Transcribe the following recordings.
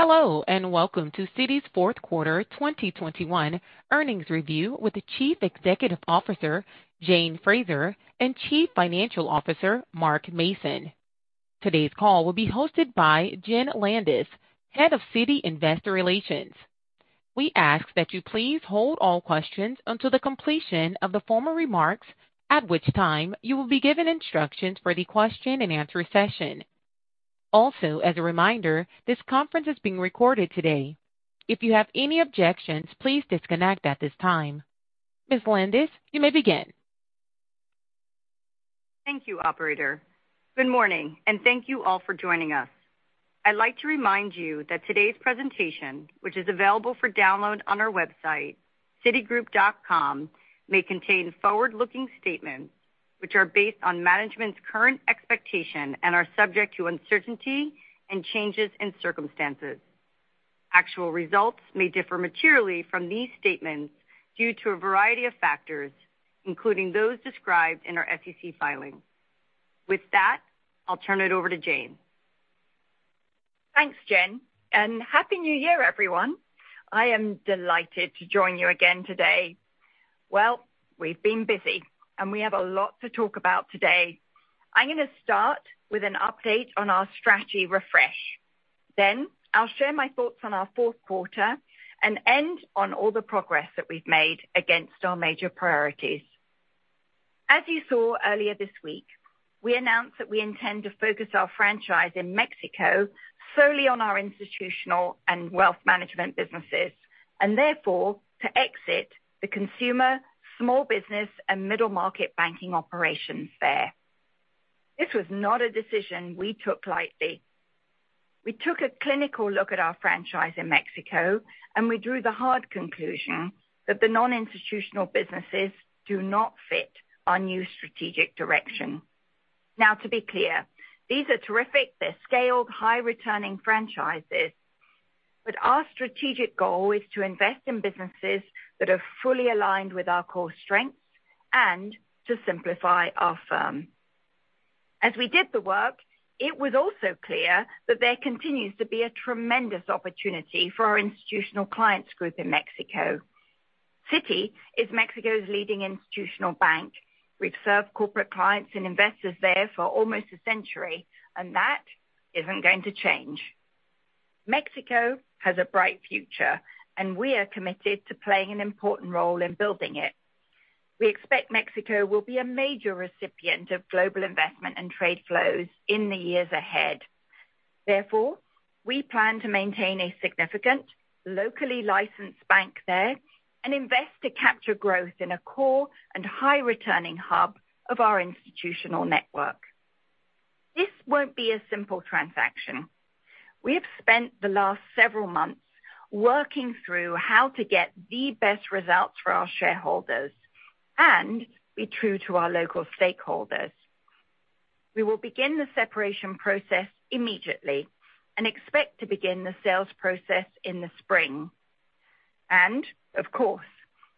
Hello, and welcome to Citi's Fourth Quarter 2021 Earnings Review with the Chief Executive Officer, Jane Fraser, and Chief Financial Officer, Mark Mason. Today's call will be hosted by Jenn Landis, Head of Citi Investor Relations. We ask that you please hold all questions until the completion of the formal remarks, at which time you will be given instructions for the question-and-answer session. Also, as a reminder, this conference is being recorded today. If you have any objections, please disconnect at this time. Ms. Landis, you may begin. Thank you, operator. Good morning and thank you all for joining us. I'd like to remind you that today's presentation, which is available for download on our website, citigroup.com, may contain forward-looking statements which are based on management's current expectation and are subject to uncertainty and changes in circumstances. Actual results may differ materially from these statements due to a variety of factors, including those described in our SEC filing. With that, I'll turn it over to Jane. Thanks, Jenn, and Happy New Year, everyone. I am delighted to join you again today. Well, we've been busy, and we have a lot to talk about today. I'm gonna start with an update on our strategy refresh. Then I'll share my thoughts on our fourth quarter and end on all the progress that we've made against our major priorities. As you saw earlier this week, we announced that we intend to focus our franchise in Mexico solely on our institutional and wealth management businesses, and therefore, to exit the consumer, small business, and middle-market banking operations there. This was not a decision we took lightly. We took a clinical look at our franchise in Mexico, and we drew the hard conclusion that the non-institutional businesses do not fit our new strategic direction. Now, to be clear, these are terrific. They're scaled, high-returning franchises, but our strategic goal is to invest in businesses that are fully aligned with our core strengths and to simplify our firm. As we did the work, it was also clear that there continues to be a tremendous opportunity for our Institutional Clients Group in Mexico. Citi is Mexico's leading institutional bank. We've served corporate clients and investors there for almost a century, and that isn't going to change. Mexico has a bright future, and we are committed to playing an important role in building it. We expect Mexico will be a major recipient of global investment and trade flows in the years ahead. Therefore, we plan to maintain a significant, locally licensed bank there and invest to capture growth in a core and high-returning hub of our institutional network. This won't be a simple transaction. We have spent the last several months working through how to get the best results for our shareholders and be true to our local stakeholders. We will begin the separation process immediately and expect to begin the sales process in the spring. Of course,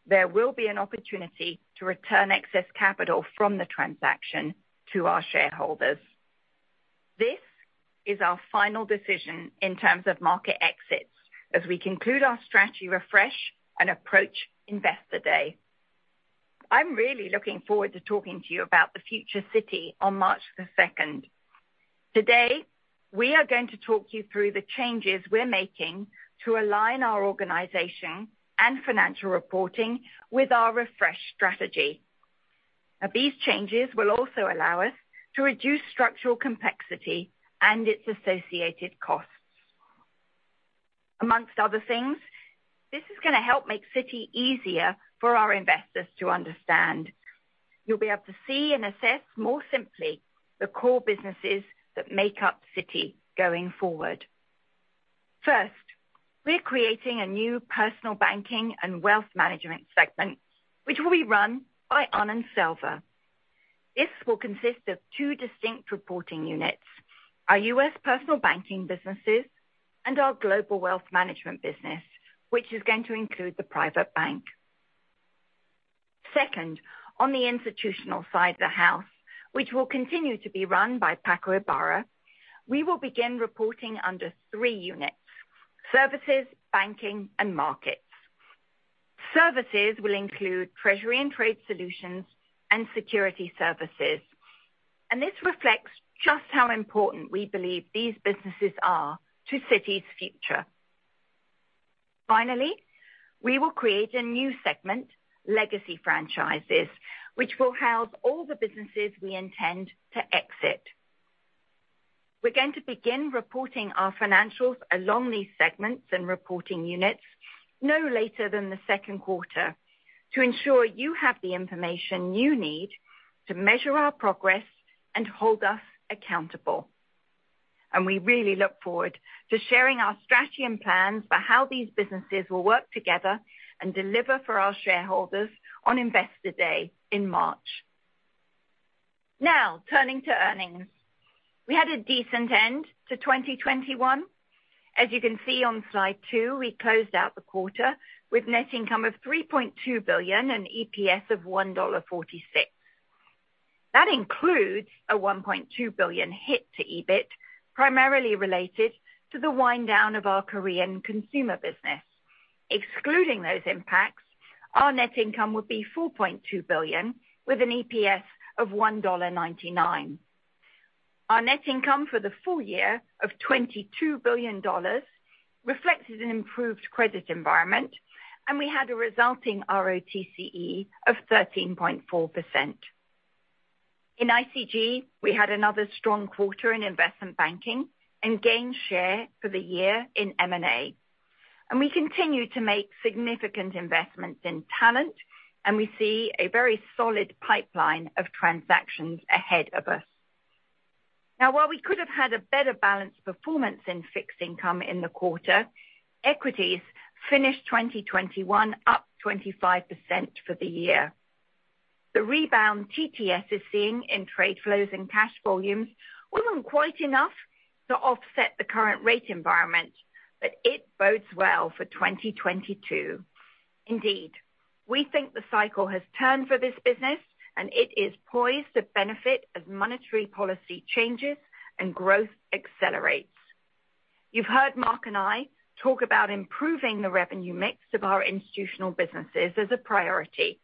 there will be an opportunity to return excess capital from the transaction to our shareholders. This is our final decision in terms of market exits as we conclude our strategy refresh and approach Investor Day. I'm really looking forward to talking to you about the future of Citi on March the second. Today, we are going to talk you through the changes we're making to align our organization and financial reporting with our refresh strategy. Now, these changes will also allow us to reduce structural complexity and its associated costs. Among other things, this is gonna help make Citi easier for our investors to understand. You'll be able to see and assess more simply the core businesses that make up Citi going forward. First, we're creating a new Personal Banking and Wealth Management segment, which will be run by Anand Selva. This will consist of two distinct reporting units, our U.S. Personal Banking businesses and our Global Wealth Management business, which is going to include the Private Bank. Second, on the institutional side of the house, which will continue to be run by Paco Ybarra, we will begin reporting under three units, Services, Banking, and Markets. Services will include Treasury and Trade Solutions and Security Services. This reflects just how important we believe these businesses are to Citi's future. Finally, we will create a new segment, Legacy Franchises, which will house all the businesses we intend to exit. We're going to begin reporting our financials along these segments and reporting units no later than the second quarter to ensure you have the information you need to measure our progress and hold us accountable. We really look forward to sharing our strategy and plans for how these businesses will work together and deliver for our shareholders on Investor Day in March. Now, turning to earnings. We had a decent end to 2021. As you can see on Slide 2, we closed out the quarter with net income of $3.2 billion and EPS of $1.46. That includes a $1.2 billion hit to EBIT, primarily related to the wind down of our Korean consumer business. Excluding those impacts, our net income would be $4.2 billion with an EPS of $1.99. Our net income for the full year of $22 billion reflected an improved credit environment, and we had a resulting RoTCE of 13.4%. In ICG, we had another strong quarter in investment banking and gained share for the year in M&A. We continue to make significant investments in talent, and we see a very solid pipeline of transactions ahead of us. Now while we could have had a better-balanced performance in fixed income in the quarter, equities finished 2021 up 25% for the year. The rebound TTS is seeing in trade flows and cash volumes wasn't quite enough to offset the current rate environment, but it bodes well for 2022. Indeed, we think the cycle has turned for this business, and it is poised to benefit as monetary policy changes and growth accelerates. You've heard Mark and I talk about improving the revenue mix of our institutional businesses as a priority,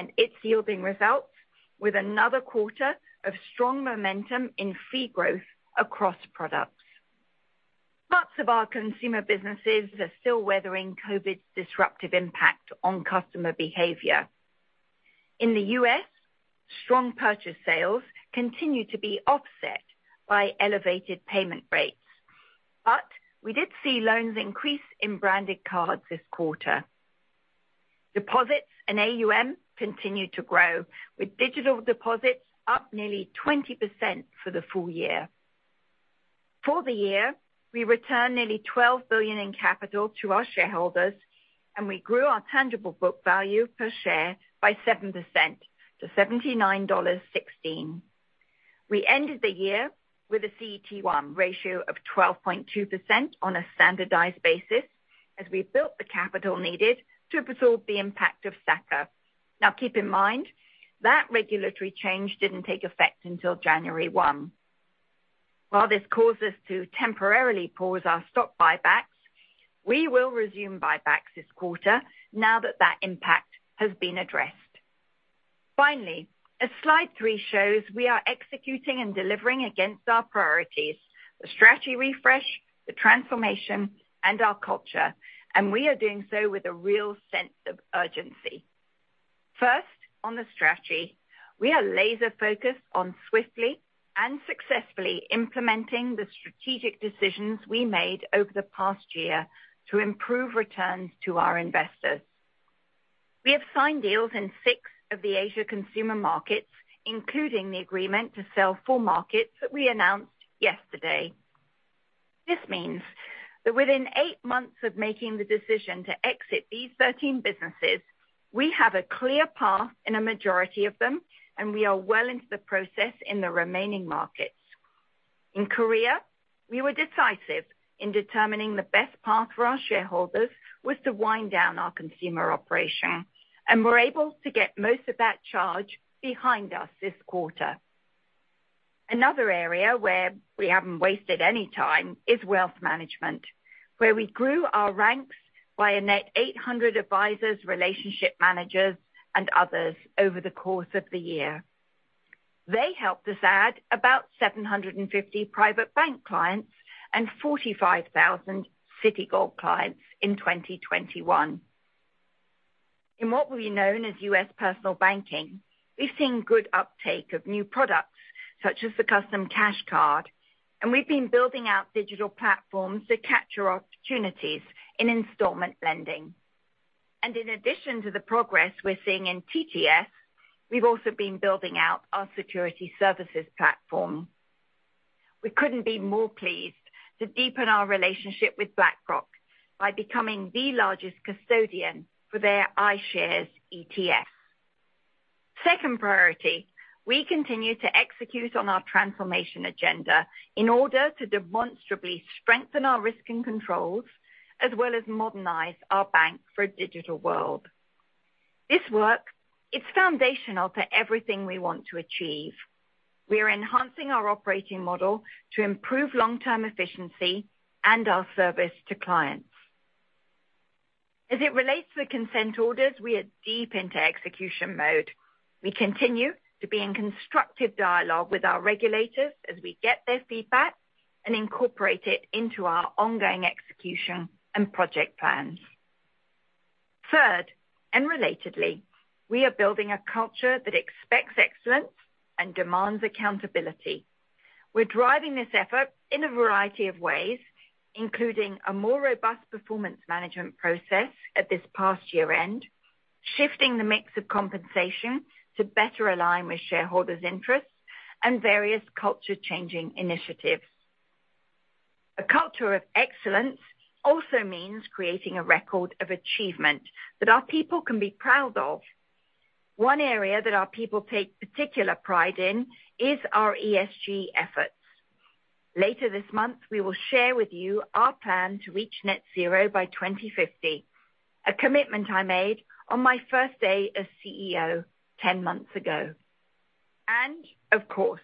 and it's yielding results with another quarter of strong momentum in fee growth across products. Lots of our consumer businesses are still weathering COVID's disruptive impact on customer behavior. In the U.S., strong purchase sales continue to be offset by elevated payment rates. We did see loans increase in branded cards this quarter. Deposits and AUM continued to grow, with digital deposits up nearly 20% for the full year. For the year, we returned nearly $12 billion in capital to our shareholders, and we grew our tangible book value per share by 7% to $79.16. We ended the year with a CET1 ratio of 12.2% on a standardized basis as we built the capital needed to absorb the impact of SA-CCR. Now keep in mind, that regulatory change didn't take effect until January 1. While this caused us to temporarily pause our stock buybacks, we will resume buybacks this quarter now that impact has been addressed. Finally, as Slide 3 shows, we are executing and delivering against our priorities, the strategy refresh, the transformation and our culture, and we are doing so with a real sense of urgency. First, on the strategy, we are laser-focused on swiftly and successfully implementing the strategic decisions we made over the past year to improve returns to our investors. We have signed deals in six of the Asia consumer markets, including the agreement to sell four markets that we announced yesterday. This means that within 8 months of making the decision to exit these 13 businesses, we have a clear path in a majority of them, and we are well into the process in the remaining markets. In Korea, we were decisive in determining the best path for our shareholders was to wind down our consumer operation, and we're able to get most of that charge behind us this quarter. Another area where we haven't wasted any time is wealth management, where we grew our ranks by a net 800 advisors, relationship managers, and others over the course of the year. They helped us add about 750 Private Bank clients and 45,000 Citigold clients in 2021. In what we know as U.S. personal banking, we've seen good uptake of new products, such as the Citi Custom Cash Card, and we've been building out digital platforms to capture opportunities in installment lending. In addition to the progress we're seeing in TTS, we've also been building out our Security Services platform. We couldn't be more pleased to deepen our relationship with BlackRock by becoming the largest custodian for their iShares ETF. Second priority, we continue to execute on our transformation agenda in order to demonstrably strengthen our risk and controls, as well as modernize our bank for a digital world. This work is foundational to everything we want to achieve. We are enhancing our operating model to improve long-term efficiency and our service to clients. As it relates to the consent orders, we are deep into execution mode. We continue to be in constructive dialogue with our regulators as we get their feedback and incorporate it into our ongoing execution and project plans. Third, and relatedly, we are building a culture that expects excellence and demands accountability. We're driving this effort in a variety of ways, including a more robust performance management process at this past year-end, shifting the mix of compensation to better align with shareholders' interests, and various culture-changing initiatives. A culture of excellence also means creating a record of achievement that our people can be proud of. One area that our people take particular pride in is our ESG efforts. Later this month, we will share with you our plan to reach net zero by 2050. A commitment I made on my first day as CEO, 10 months ago. Of course,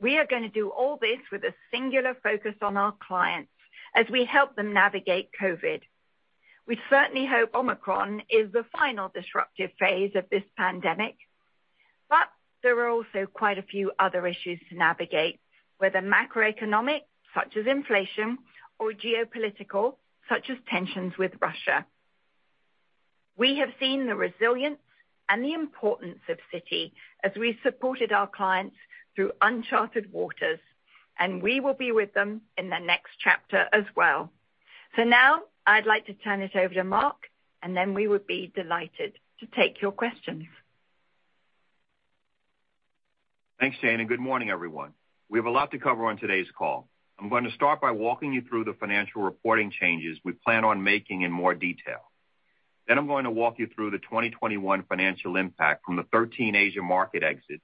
we are gonna do all this with a singular focus on our clients as we help them navigate COVID. We certainly hope Omicron is the final disruptive phase of this pandemic, but there are also quite a few other issues to navigate, whether macroeconomic, such as inflation, or geopolitical, such as tensions with Russia. We have seen the resilience and the importance of Citi as we supported our clients through uncharted waters, and we will be with them in the next chapter as well. For now, I'd like to turn it over to Mark, and then we would be delighted to take your questions. Thanks, Jane, and good morning, everyone. We have a lot to cover on today's call. I'm gonna start by walking you through the financial reporting changes we plan on making in more detail. I'm going to walk you through the 2021 financial impact from the 13 Asia market exits,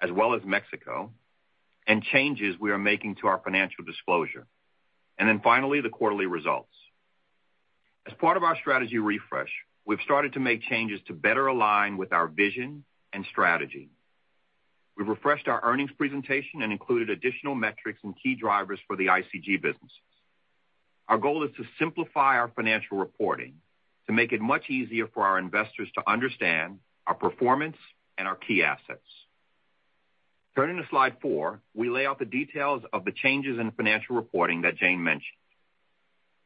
as well as Mexico, and changes we are making to our financial disclosure. Finally, the quarterly results. As part of our strategy refresh, we've started to make changes to better align with our vision and strategy. We've refreshed our earnings presentation and included additional metrics and key drivers for the ICG businesses. Our goal is to simplify our financial reporting to make it much easier for our investors to understand our performance and our key assets. Turning to Slide 4, we lay out the details of the changes in financial reporting that Jane mentioned.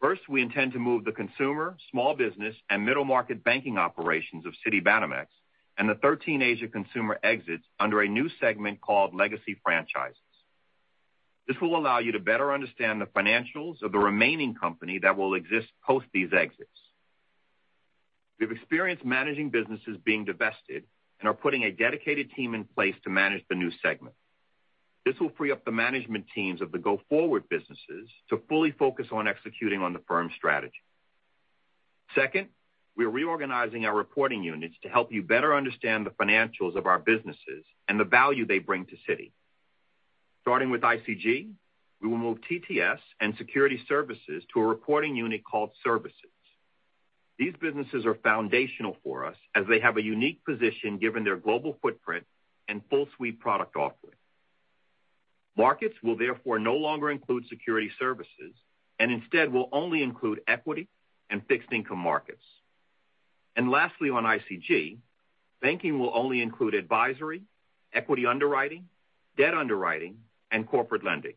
First, we intend to move the consumer, small business, and middle-market banking operations of Citibanamex and the 13 Asia consumer exits under a new segment called Legacy Franchises. This will allow you to better understand the financials of the remaining company that will exist post these exits. We've experienced managing businesses being divested and are putting a dedicated team in place to manage the new segment. This will free up the management teams of the go-forward businesses to fully focus on executing on the firm's strategy. Second, we're reorganizing our reporting units to help you better understand the financials of our businesses and the value they bring to Citi. Starting with ICG, we will move TTS and Security Services to a reporting unit called Services. These businesses are foundational for us, as they have a unique position given their global footprint and full suite product offering. Markets will therefore no longer include Security Services and instead will only include equity and fixed income markets. Lastly, on ICG, banking will only include advisory, equity underwriting, debt underwriting, and corporate lending.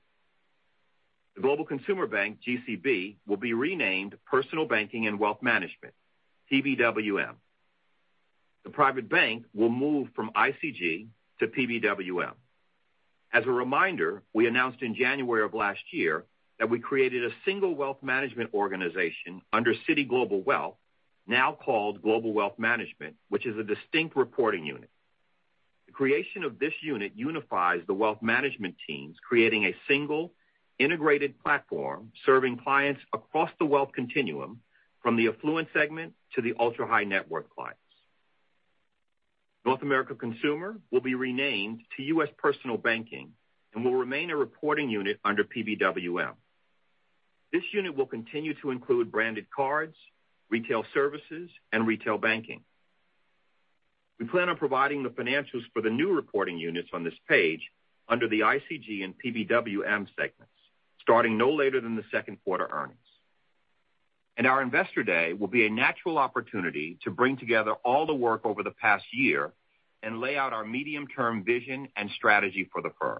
The Global Consumer Bank, GCB, will be renamed Personal Banking & Wealth Management, PBWM. The Private Bank will move from ICG to PBWM. As a reminder, we announced in January of last year that we created a single wealth management organization under Citi Global Wealth, now called Global Wealth Management, which is a distinct reporting unit. The creation of this unit unifies the wealth management teams, creating a single integrated platform, serving clients across the wealth continuum from the affluent segment to the ultra-high-net-worth clients. North America Consumer will be renamed to US Personal Banking and will remain a reporting unit under PBWM. This unit will continue to include branded cards, retail services, and retail banking. We plan on providing the financials for the new reporting units on this page under the ICG and PBWM segments, starting no later than the second quarter earnings. Our Investor Day will be a natural opportunity to bring together all the work over the past year and lay out our medium-term vision and strategy for the firm.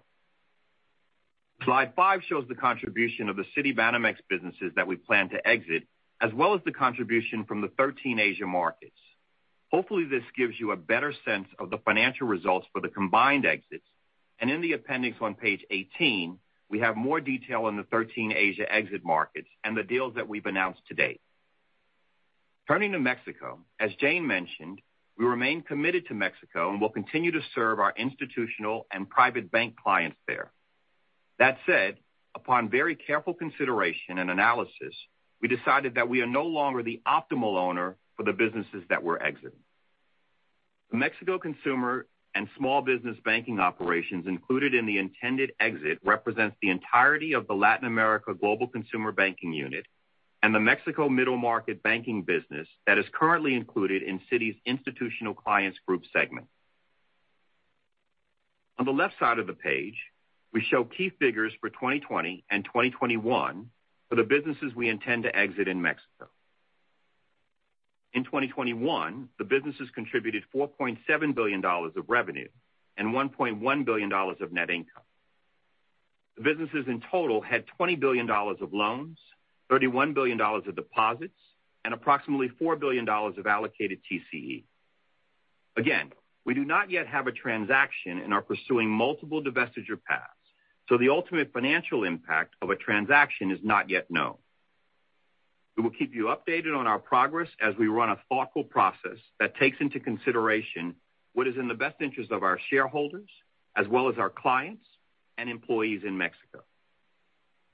Slide 5 shows the contribution of the Citibanamex businesses that we plan to exit, as well as the contribution from the 13 Asia markets. Hopefully, this gives you a better sense of the financial results for the combined exits. In the appendix on page 18, we have more detail on the 13 Asia exit markets and the deals that we've announced to date. Turning to Mexico, as Jane mentioned, we remain committed to Mexico and will continue to serve our institutional and private bank clients there. That said, upon very careful consideration and analysis, we decided that we are no longer the optimal owner for the businesses that we're exiting. The Mexico consumer and small business banking operations included in the intended exit represents the entirety of the Latin America Global Consumer Banking unit and the Mexico middle-market banking business that is currently included in Citi's Institutional Clients Group segment. On the left side of the page, we show key figures for 2020 and 2021 for the businesses we intend to exit in Mexico. In 2021, the businesses contributed $4.7 billion of revenue and $1.1 billion of net income. The businesses in total had $20 billion of loans, $31 billion of deposits, and approximately $4 billion of allocated TCE. Again, we do not yet have a transaction and are pursuing multiple divestiture paths, so the ultimate financial impact of a transaction is not yet known. We will keep you updated on our progress as we run a thoughtful process that takes into consideration what is in the best interest of our shareholders, as well as our clients and employees in Mexico.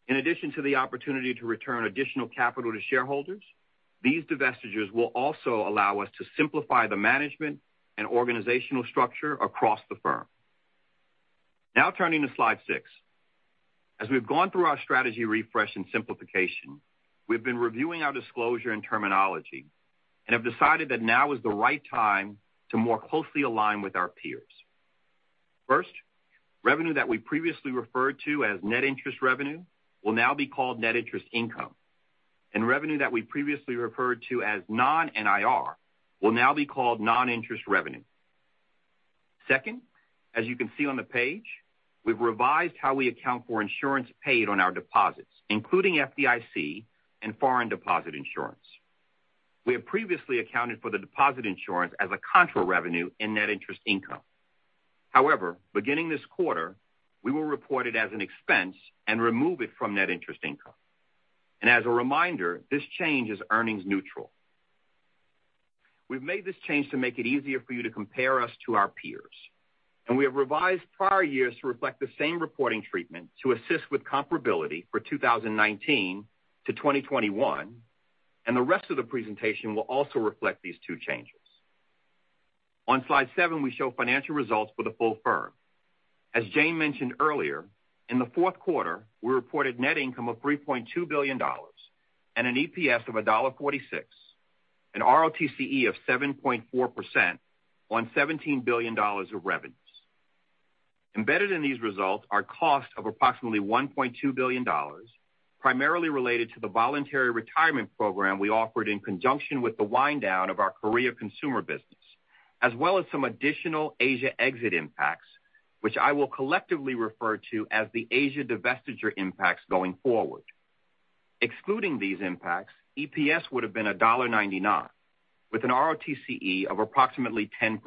In addition to the opportunity to return additional capital to shareholders. These divestitures will also allow us to simplify the management and organizational structure across the firm. Now turning to Slide 6. As we've gone through our strategy refresh and simplification, we've been reviewing our disclosure and terminology and have decided that now is the right time to more closely align with our peers. First, revenue that we previously referred to as net interest revenue will now be called net interest income. Revenue that we previously referred to as non-NIR will now be called non-interest revenue. Second, as you can see on the page, we've revised how we account for insurance paid on our deposits, including FDIC and foreign deposit insurance. We have previously accounted for the deposit insurance as a contra revenue in net interest income. However, beginning this quarter, we will report it as an expense and remove it from net interest income. As a reminder, this change is earnings neutral. We've made this change to make it easier for you to compare us to our peers, and we have revised prior years to reflect the same reporting treatment to assist with comparability for 2019 to 2021, and the rest of the presentation will also reflect these two changes. On Slide 7, we show financial results for the full firm. As Jane mentioned earlier, in the fourth quarter, we reported net income of $3.2 billion and an EPS of $1.46, an RoTCE of 7.4% on $17 billion of revenues. Embedded in these results are costs of approximately $1.2 billion, primarily related to the voluntary retirement program we offered in conjunction with the wind down of our career consumer business, as well as some additional Asia exit impacts, which I will collectively refer to as the Asia divestiture impacts going forward. Excluding these impacts, EPS would have been $1.99, with an RoTCE of approximately 10%.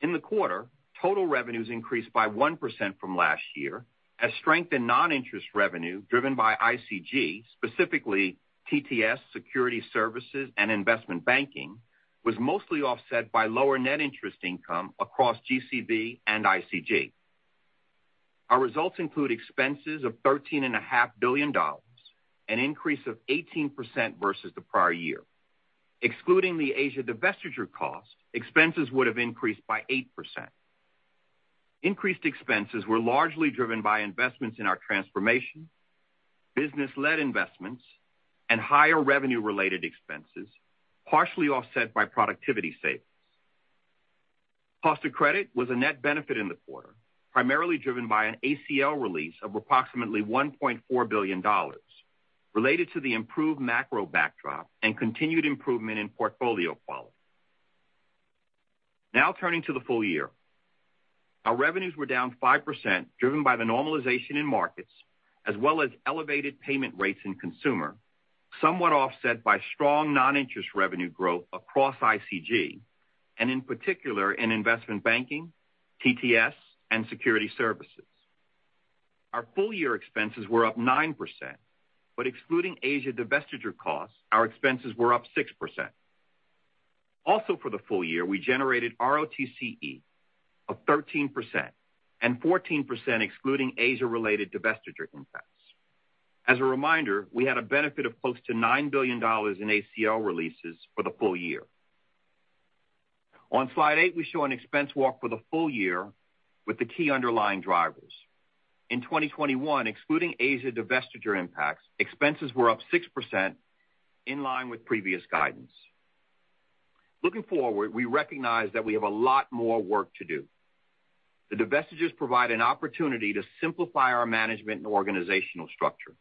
In the quarter, total revenues increased by 1% from last year as strength in non-interest revenue driven by ICG, specifically TTS, Security Services, and Investment Banking, was mostly offset by lower net interest income across GCB and ICG. Our results include expenses of $13.5 billion, an increase of 18% versus the prior year. Excluding the Asia divestiture cost, expenses would have increased by 8%. Increased expenses were largely driven by investments in our transformation, business-led investments, and higher revenue-related expenses, partially offset by productivity savings. Cost of credit was a net benefit in the quarter, primarily driven by an ACL release of approximately $1.4 billion related to the improved macro backdrop and continued improvement in portfolio quality. Now turning to the full year. Our revenues were down 5%, driven by the normalization in markets as well as elevated payment rates in consumer, somewhat offset by strong non-interest revenue growth across ICG and in particular in investment banking, TTS, and Security Services. Our full year expenses were up 9%, but excluding Asia divestiture costs, our expenses were up 6%. Also, for the full year, we generated RoTCE of 13% and 14% excluding Asia-related divestiture impacts. As a reminder, we had a benefit of close to $9 billion in ACL releases for the full year. On Slide 8, we show an expense walk for the full year with the key underlying drivers. In 2021, excluding Asia divestiture impacts, expenses were up 6% in line with previous guidance. Looking forward, we recognize that we have a lot more work to do. The divestitures provide an opportunity to simplify our management and organizational structure.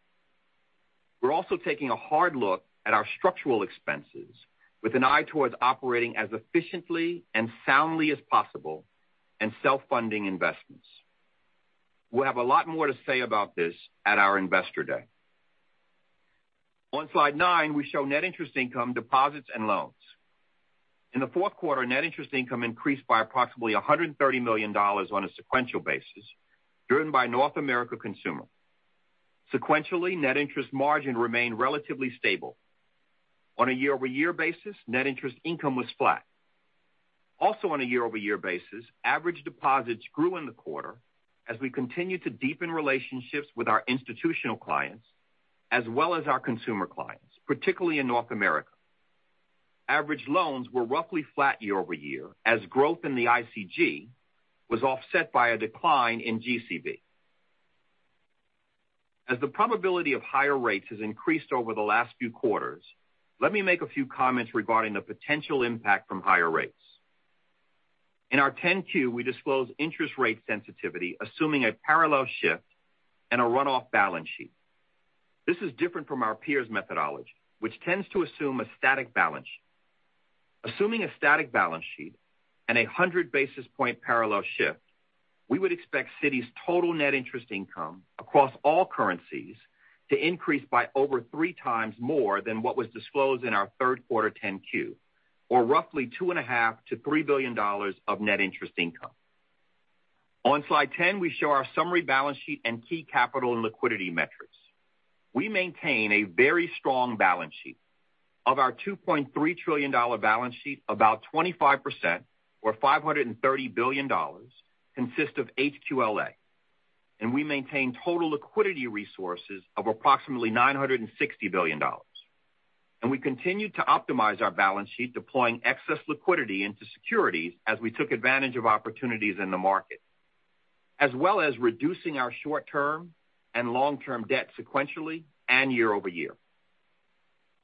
We're also taking a hard look at our structural expenses with an eye towards operating as efficiently and soundly as possible and self-funding investments. We'll have a lot more to say about this at our Investor Day. On Slide 9, we show net interest income, deposits, and loans. In the fourth quarter, net interest income increased by approximately $130 million on a sequential basis, driven by North America Consumer. Sequentially, net interest margin remained relatively stable. On a year-over-year basis, net interest income was flat. Also, on a year-over-year basis, average deposits grew in the quarter as we continued to deepen relationships with our institutional clients as well as our consumer clients, particularly in North America. Average loans were roughly flat year-over-year as growth in the ICG was offset by a decline in GCB. As the probability of higher rates has increased over the last few quarters, let me make a few comments regarding the potential impact from higher rates. In our 10-Q, we disclose interest rate sensitivity assuming a parallel shift and a run-off balance sheet. This is different from our peers' methodology, which tends to assume a static balance sheet. Assuming a static balance sheet and a 100 basis point parallel shift, we would expect Citi's total net interest income across all currencies to increase by over three times more than what was disclosed in our third quarter 10-Q, or roughly $2.5 billion-$3 billion of net interest income. On Slide 10, we show our summary balance sheet and key capital and liquidity metrics. We maintain a very strong balance sheet. Of our $2.3 trillion balance sheet, about 25% or $530 billion consist of HQLA. We maintain total liquidity resources of approximately $960 billion. We continue to optimize our balance sheet, deploying excess liquidity into securities as we took advantage of opportunities in the market, as well as reducing our short-term and long-term debt sequentially and year over year.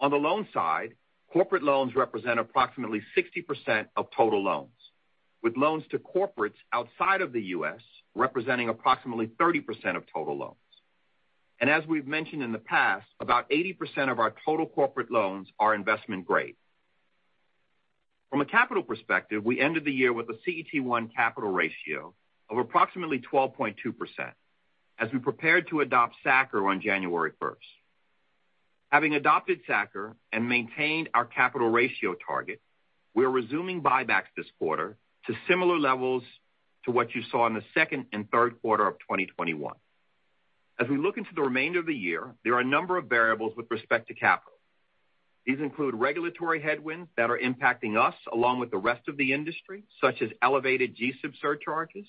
On the loan side, corporate loans represent approximately 60% of total loans, with loans to corporates outside of the U.S. representing approximately 30% of total loans. As we've mentioned in the past, about 80% of our total corporate loans are investment grade. From a capital perspective, we ended the year with a CET1 capital ratio of approximately 12.2% as we prepared to adopt SA-CCR on January 1. Having adopted SA-CCR and maintained our capital ratio target, we are resuming buybacks this quarter to similar levels to what you saw in the second and third quarter of 2021. As we look into the remainder of the year, there are a number of variables with respect to capital. These include regulatory headwinds that are impacting us along with the rest of the industry, such as elevated GSIB surcharges,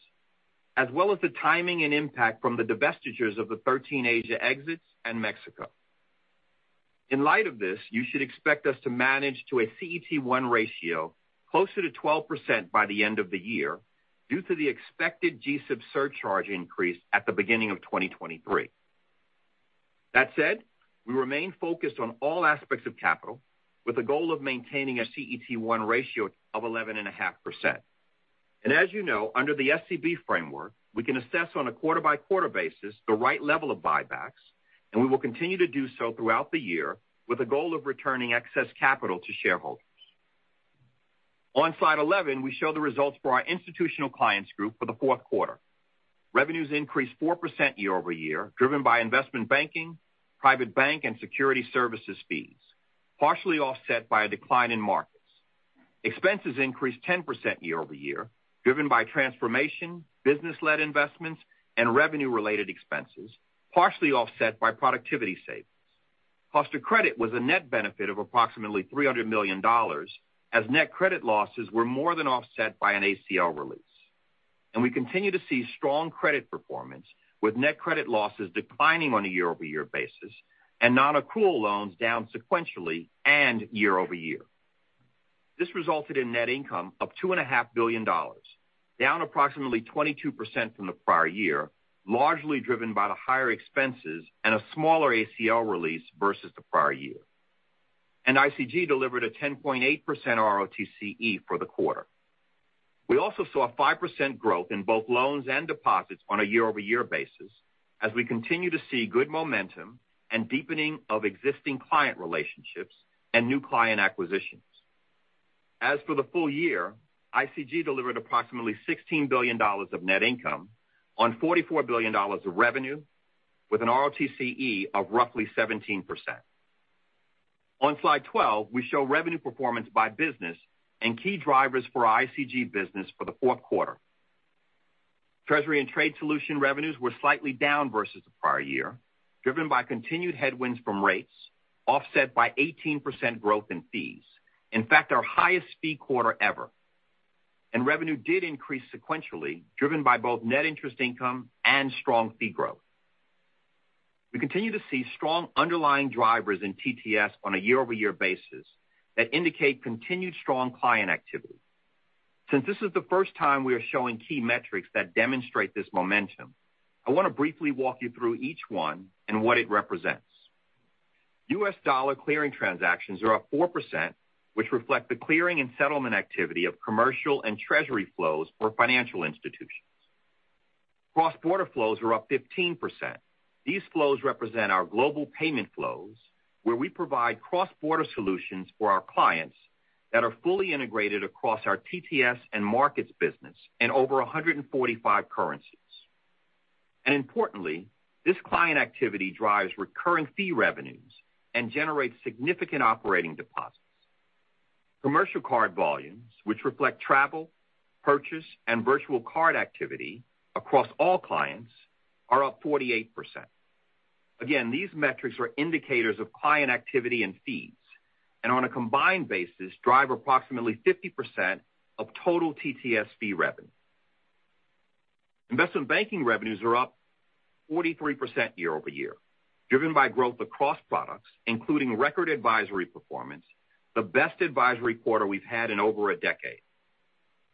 as well as the timing and impact from the divestitures of the 13 Asia exits and Mexico. In light of this, you should expect us to manage to a CET1 ratio closer to 12% by the end of the year due to the expected GSIB surcharge increase at the beginning of 2023. That said, we remain focused on all aspects of capital with the goal of maintaining a CET1 ratio of 11.5%. As you know, under the SCB framework, we can assess on a quarter-by-quarter basis the right level of buybacks, and we will continue to do so throughout the year with the goal of returning excess capital to shareholders. On Slide 11, we show the results for our Institutional Clients Group for the fourth quarter. Revenues increased 4% year-over-year, driven by investment banking, Private Bank, and Security Services fees, partially offset by a decline in markets. Expenses increased 10% year-over-year, driven by transformation, business-led investments, and revenue-related expenses, partially offset by productivity savings. Cost of credit was a net benefit of approximately $300 million, as net credit losses were more than offset by an ACL release. We continue to see strong credit performance, with net credit losses declining on a year-over-year basis and non-accrual loans down sequentially and year-over-year. This resulted in net income of two and a half billion dollars, down approximately 22% from the prior year, largely driven by the higher expenses and a smaller ACL release versus the prior year. ICG delivered a 10.8% RoTCE for the quarter. We also saw a 5% growth in both loans and deposits on a year-over-year basis as we continue to see good momentum and deepening of existing client relationships and new client acquisitions. As for the full year, ICG delivered approximately $16 billion of net income on $44 billion of revenue with an RoTCE of roughly 17%. On Slide 12, we show revenue performance by business and key drivers for our ICG business for the fourth quarter. Treasury and trade solution revenues were slightly down versus the prior year, driven by continued headwinds from rates offset by 18% growth in fees. In fact, our highest fee quarter ever. Revenue did increase sequentially, driven by both net interest income and strong fee growth. We continue to see strong underlying drivers in TTS on a year-over-year basis that indicate continued strong client activity. Since this is the first time, we are showing key metrics that demonstrate this momentum, I want to briefly walk you through each one and what it represents. U.S. dollar clearing transactions are up 4%, which reflect the clearing and settlement activity of commercial and treasury flows for financial institutions. Cross-border flows are up 15%. These flows represent our global payment flows, where we provide cross-border solutions for our clients that are fully integrated across our TTS and markets business in over 145 currencies. Importantly, this client activity drives recurring fee revenues and generates significant operating deposits. Commercial card volumes, which reflect travel, purchase, and virtual card activity across all clients, are up 48%. Again, these metrics are indicators of client activity and fees, and on a combined basis, drive approximately 50% of total TTS fee revenue. Investment banking revenues are up 43% year over year, driven by growth across products, including record advisory performance, the best advisory quarter we've had in over a decade.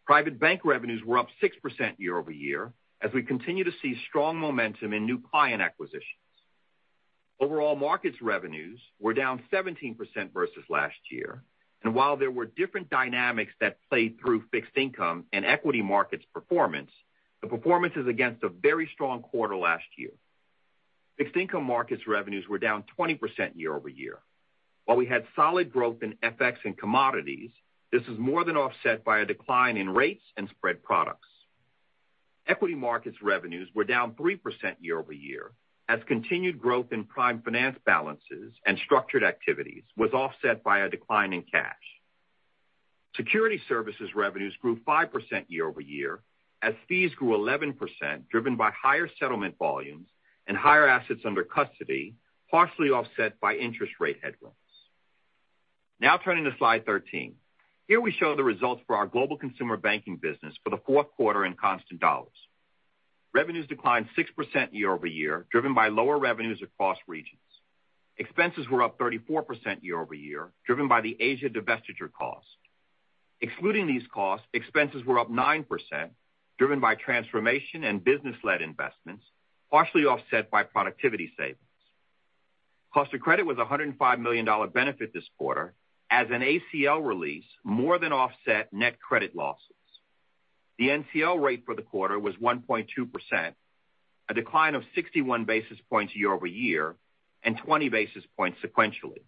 Private Bank revenues were up 6% year over year as we continue to see strong momentum in new client acquisitions. Overall markets revenues were down 17% versus last year. While there were different dynamics that played through fixed income and equity markets performance, the performance is against a very strong quarter last year. Fixed income markets revenues were down 20% year-over-year. While we had solid growth in FX and commodities, this is more than offset by a decline in rates and spread products. Equity markets revenues were down 3% year-over-year as continued growth in prime finance balances and structured activities was offset by a decline in cash. Security services revenues grew 5% year-over-year as fees grew 11%, driven by higher settlement volumes and higher assets under custody, partially offset by interest rate headwinds. Now turning to Slide 13. Here we show the results for our Global Consumer Banking business for the fourth quarter in constant dollars. Revenues declined 6% year-over-year, driven by lower revenues across regions. Expenses were up 34% year-over-year, driven by the Asia divestiture cost. Excluding these costs, expenses were up 9%, driven by transformation and business-led investments, partially offset by productivity savings. Cost of credit was a $105 million benefit this quarter as an ACL release more than offset net credit losses. The NCL rate for the quarter was 1.2%, a decline of 61 basis points year-over-year and 20 basis points sequentially.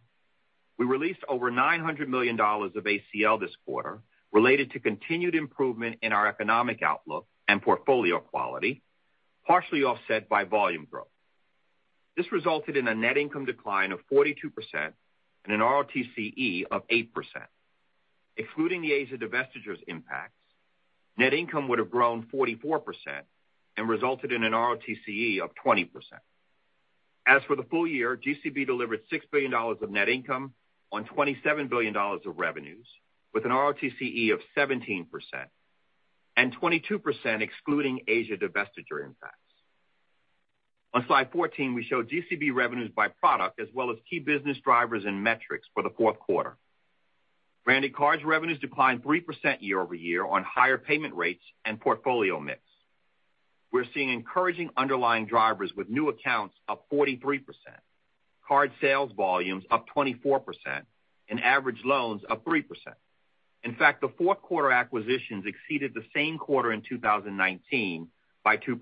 We released over $900 million of ACL this quarter related to continued improvement in our economic outlook and portfolio quality, partially offset by volume growth. This resulted in a net income decline of 42% and an RoTCE of 8%. Excluding the Asia divestitures impacts, net income would have grown 44% and resulted in an RoTCE of 20%. As for the full year, GCB delivered $6 billion of net income on $27 billions of revenues with an RoTCE of 17% and 22% excluding Asia divestiture impacts. On Slide 14, we show GCB revenues by product as well as key business drivers and metrics for the fourth quarter. Branded cards revenues declined 3% year-over-year on higher payment rates and portfolio mix. We're seeing encouraging underlying drivers with new accounts up 43%, card sales volumes up 24%, and average loans up 3%. In fact, the fourth quarter acquisitions exceeded the same quarter in 2019 by 2%,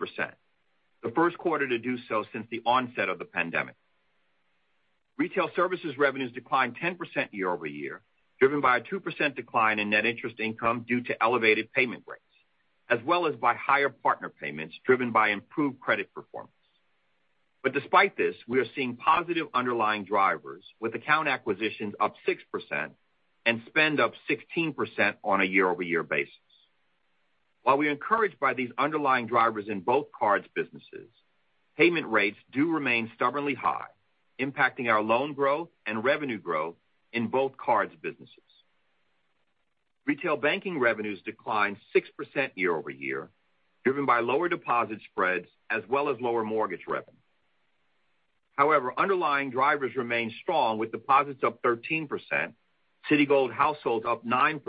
the first quarter to do so since the onset of the pandemic. Retail services revenues declined 10% year-over-year, driven by a 2% decline in net interest income due to elevated payment rates, as well as by higher partner payments driven by improved credit performance. Despite this, we are seeing positive underlying drivers with account acquisitions up 6% and spend up 16% on a year-over-year basis. While we're encouraged by these underlying drivers in both cards businesses, payment rates do remain stubbornly high, impacting our loan growth and revenue growth in both cards businesses. Retail banking revenues declined 6% year-over-year, driven by lower deposit spreads as well as lower mortgage revenue. However, underlying drivers remain strong with deposits up 13%, Citigold households up 9%,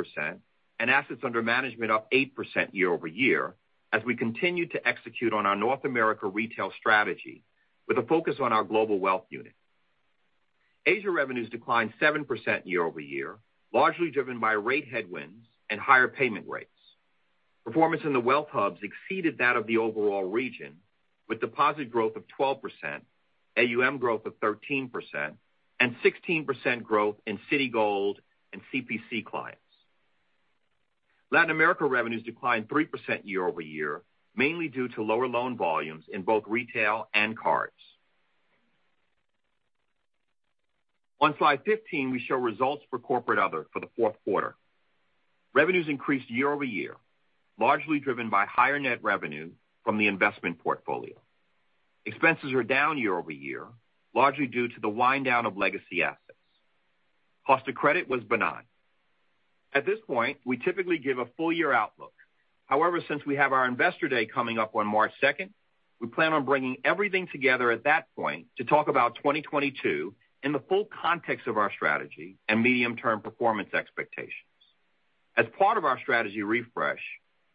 and assets under management up 8% year-over-year as we continue to execute on our North America retail strategy with a focus on our global wealth unit. Asia revenues declined 7% year-over-year, largely driven by rate headwinds and higher payment rates. Performance in the wealth hubs exceeded that of the overall region, with deposit growth of 12%, AUM growth of 13%, and 16% growth in Citigold and CPC clients. Latin America revenues declined 3% year-over-year, mainly due to lower loan volumes in both retail and cards. On Slide 15, we show results for corporate other for the fourth quarter. Revenues increased year-over-year, largely driven by higher net revenue from the investment portfolio. Expenses are down year-over-year, largely due to the wind down of legacy assets. Cost of credit was benign. At this point, we typically give a full year outlook. However, since we have our Investor Day coming up on March 2nd, we plan on bringing everything together at that point to talk about 2022 in the full context of our strategy and medium-term performance expectations. As part of our strategy refresh,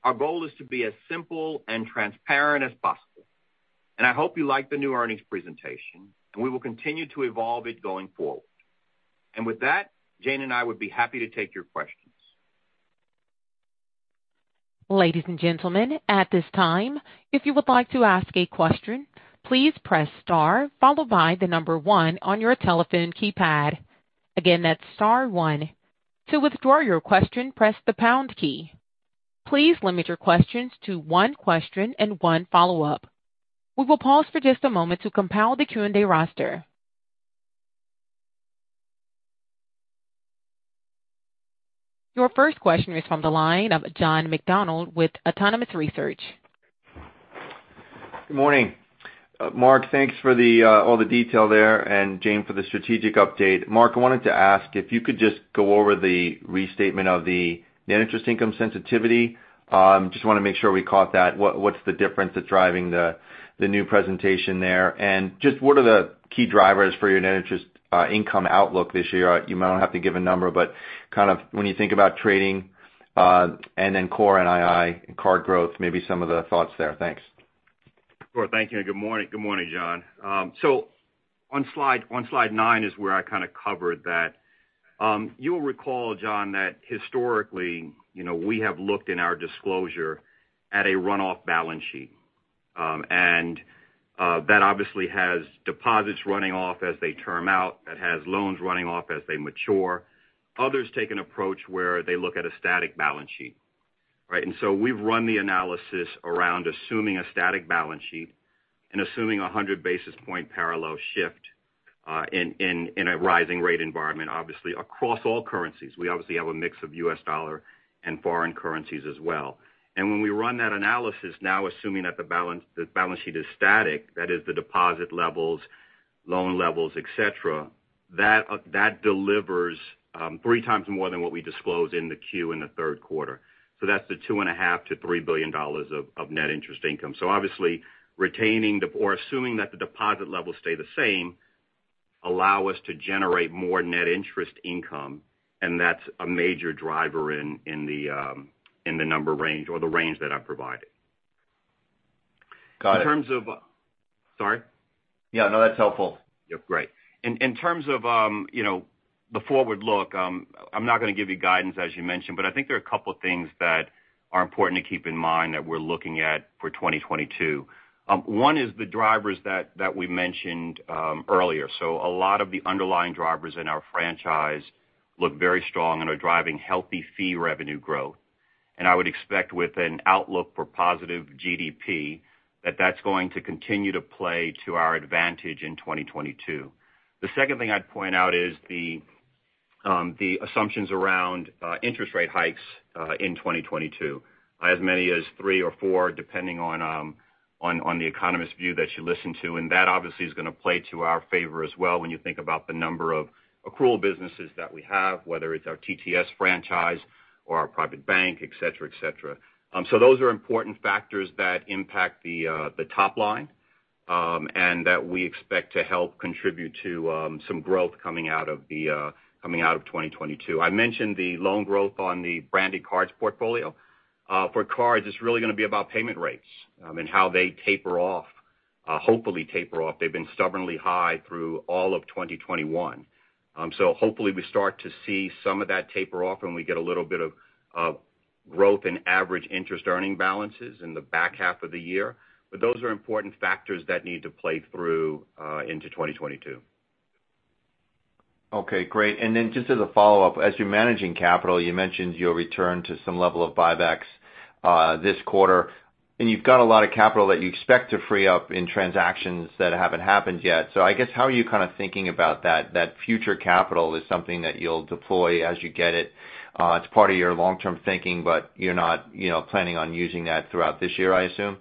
our goal is to be as simple and transparent as possible, and I hope you like the new earnings presentation, and we will continue to evolve it going forward. With that, Jane and I would be happy to take your questions. Ladies and gentlemen, at this time, if you would like to ask a question, please press star followed by the number one on your telephone keypad. Again, that's star one. To withdraw your question, press the pound key. Please limit your questions to one question and one follow-up. We will pause for just a moment to compile the Q&A roster. Your first question is from the line of John McDonald with Autonomous Research. Good morning. Mark, thanks for all the detail there, and Jane for the strategic update. Mark, I wanted to ask if you could just go over the restatement of the net interest income sensitivity. Just want to make sure we caught that. What's the difference that's driving the new presentation there? And just what are the key drivers for your net interest income outlook this year? You might not have to give a number, but kind of when you think about trading, and then core NII and card growth, maybe some of the thoughts there. Thanks. Sure. Thank you, and good morning. Good morning, John. On Slide 9 is where I kind of covered that. You'll recall, John, that historically, you know, we have looked in our disclosure at a runoff balance sheet. That obviously has deposits running off as they term out, that has loans running off as they mature. Others take an approach where they look at a static balance sheet, right? We've run the analysis around assuming a static balance sheet and assuming a 100 basis point parallel shift in a rising rate environment, obviously across all currencies. We obviously have a mix of U.S. dollar and foreign currencies as well. When we run that analysis now, assuming that the balance sheet is static, that is the deposit levels, loan levels, et cetera, that delivers three times more than what we disclose in the 10-Q in the third quarter. That's the $2.5 billion-$3 billion of net interest income. Obviously, assuming that the deposit levels stay the same allows us to generate more net interest income, and that's a major driver in the number range or the range that I've provided. Got it. Sorry? Yeah, no, that's helpful. Yep, great. In terms of, you know, the forward look, I'm not gonna give you guidance, as you mentioned, but I think there are a couple things that are important to keep in mind that we're looking at for 2022. One is the drivers that we mentioned earlier. A lot of the underlying drivers in our franchise look very strong and are driving healthy fee revenue growth. I would expect with an outlook for positive GDP that that's going to continue to play to our advantage in 2022. The second thing I'd point out is the assumptions around interest rate hikes in 2022. As many as three or four, depending on the economist view that you listen to, and that obviously is gonna play to our favor as well when you think about the number of accrual businesses that we have, whether it's our TTS franchise or our Private Bank, etc., etc. Those are important factors that impact the top line, and that we expect to help contribute to some growth coming out of 2022. I mentioned the loan growth on the branded cards portfolio. For cards, it's really gonna be about payment rates, and how they taper off, hopefully taper off. They've been stubbornly high through all of 2021. Hopefully we start to see some of that taper off, and we get a little bit of growth in average interest earning balances in the back half of the year. Those are important factors that need to play through into 2022. Okay, great. Then just as a follow-up, as you're managing capital, you mentioned you'll return to some level of buybacks this quarter. You've got a lot of capital that you expect to free up in transactions that haven't happened yet. I guess, how are you kind of thinking about that future capital is something that you'll deploy as you get it's part of your long-term thinking, but you're not, you know, planning on using that throughout this year, I assume?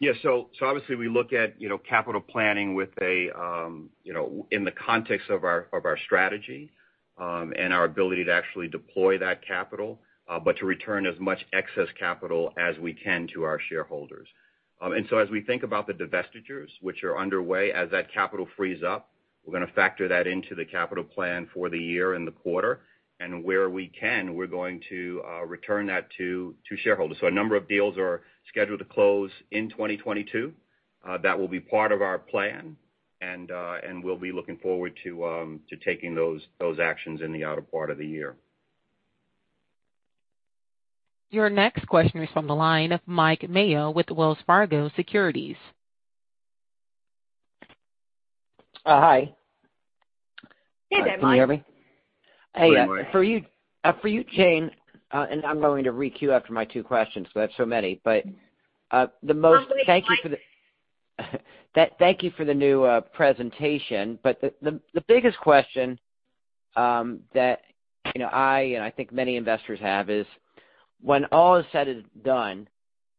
Yeah. Obviously, we look at, you know, capital planning with a, you know, in the context of our strategy, and our ability to actually deploy that capital, but to return as much excess capital as we can to our shareholders. As we think about the divestitures, which are underway, as that capital frees up, we're gonna factor that into the capital plan for the year and the quarter. Where we can, we're going to return that to shareholders. A number of deals are scheduled to close in 2022. That will be part of our plan, and we'll be looking forward to taking those actions in the latter part of the year. Your next question is from the line of Mike Mayo with Wells Fargo Securities. Hi. Hey there, Mike. Can you hear me? Yeah, Mike. Hey, for you, Jane, and I'm going to re-queue after my two questions because I have so many. Absolutely, Mike. Thank you for the new presentation. The biggest question that you know I think many investors have is, when all is said and done,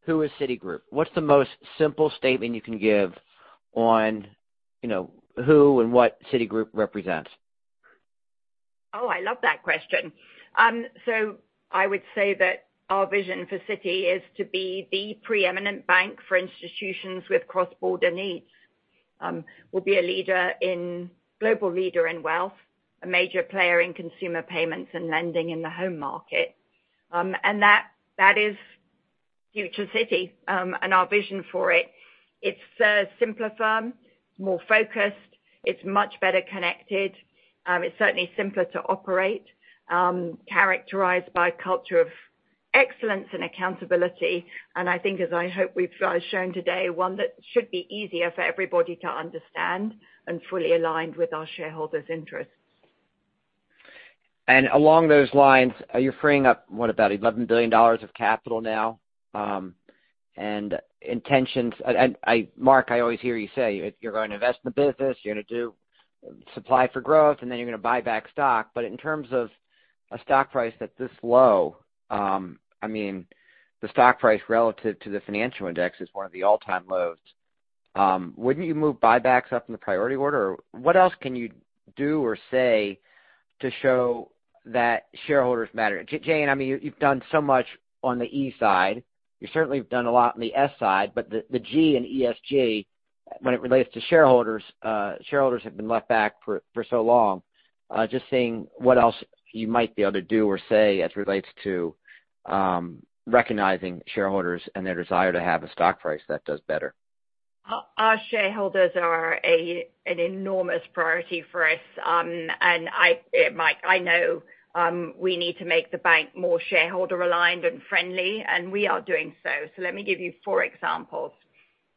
who is Citigroup? What's the most simple statement you can give on, you know, who and what Citigroup represents? I love that question. I would say that our vision for Citi is to be the preeminent bank for institutions with cross-border needs. We'll be a global leader in wealth, a major player in consumer payments and lending in the home market. That is future Citi, and our vision for it. It's a simpler firm, more focused. It's much better connected. It's certainly simpler to operate, characterized by a culture of excellence and accountability. I think, as I hope we've shown today, one that should be easier for everybody to understand and fully aligned with our shareholders' interests. Along those lines, are you freeing up, what, about $11 billion of capital now? Mark, I always hear you say you're going to invest in the business, you're gonna deploy for growth, and then you're gonna buy back stock. In terms of a stock price that's this low, I mean, the stock price relative to the financial index is one of the all-time lows. Wouldn't you move buybacks up in the priority order? Or what else can you do or say to show that shareholders matter? Jane, I mean, you've done so much on the E side. You certainly have done a lot on the S side. The G in ESG, when it relates to shareholders have been left behind for so long. Just seeing what else you might be able to do or say as it relates to recognizing shareholders and their desire to have a stock price that does better. Our shareholders are an enormous priority for us. Mike, I know we need to make the bank more shareholder aligned and friendly, and we are doing so. Let me give you four examples.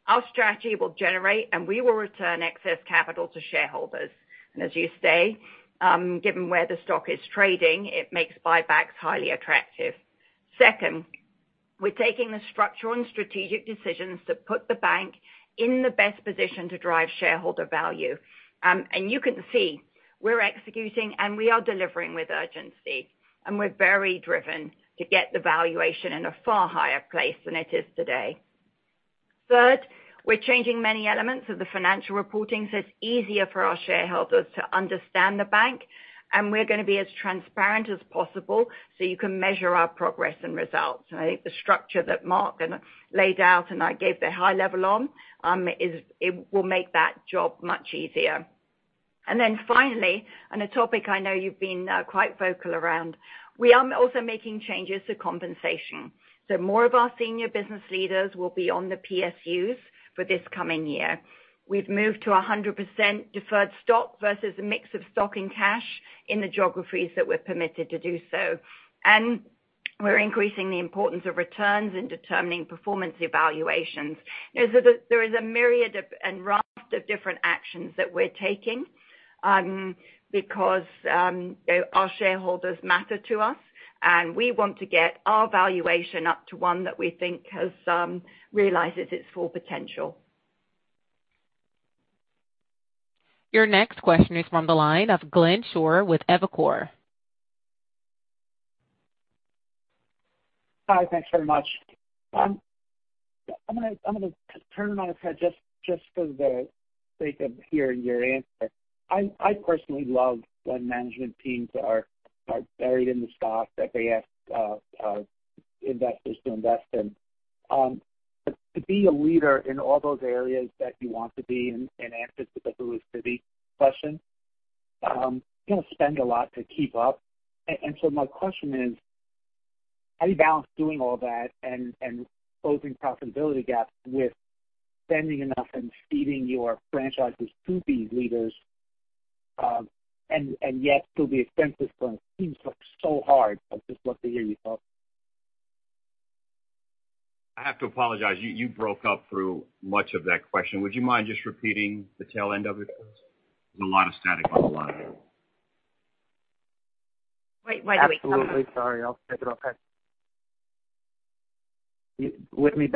Our strategy will generate, and we will return excess capital to shareholders. As you say, given where the stock is trading, it makes buybacks highly attractive. Second, we're taking the structural and strategic decisions to put the bank in the best position to drive shareholder value. You can see we're executing, and we are delivering with urgency, and we're very driven to get the valuation in a far higher place than it is today. Third, we're changing many elements of the financial reporting so it's easier for our shareholders to understand the bank, and we're gonna be as transparent as possible so you can measure our progress and results. I think the structure that Mark laid out and I gave the high level on is. It will make that job much easier. Then finally, on a topic I know you've been quite vocal around, we are also making changes to compensation. More of our senior business leaders will be on the PSUs for this coming year. We've moved to 100% deferred stock versus a mix of stock and cash in the geographies that we're permitted to do so. We're increasing the importance of returns in determining performance evaluations. You know, there is a myriad of and raft of different actions that we're taking, because, you know, our shareholders matter to us, and we want to get our valuation up to one that we think has, realizes its full potential. Your next question is from the line of Glenn Schorr with Evercore. Hi. Thanks very much. I'm gonna turn it on its head just for the sake of hearing your answer. I personally love when management teams are buried in the stock that they ask investors to invest in. To be a leader in all those areas that you want to be in answer to the who is Citi question, you're gonna spend a lot to keep up. My question is, how do you balance doing all that and closing profitability gaps with spending enough and feeding your franchises to these leaders, and yet still be an expensive firm? It seems like it's so hard. I'd just love to hear you talk. I have to apologize. You broke up through much of that question. Would you mind just repeating the tail end of it please? There's a lot of static on the line. Wait, wait. Absolutely. Sorry. Is it better with me?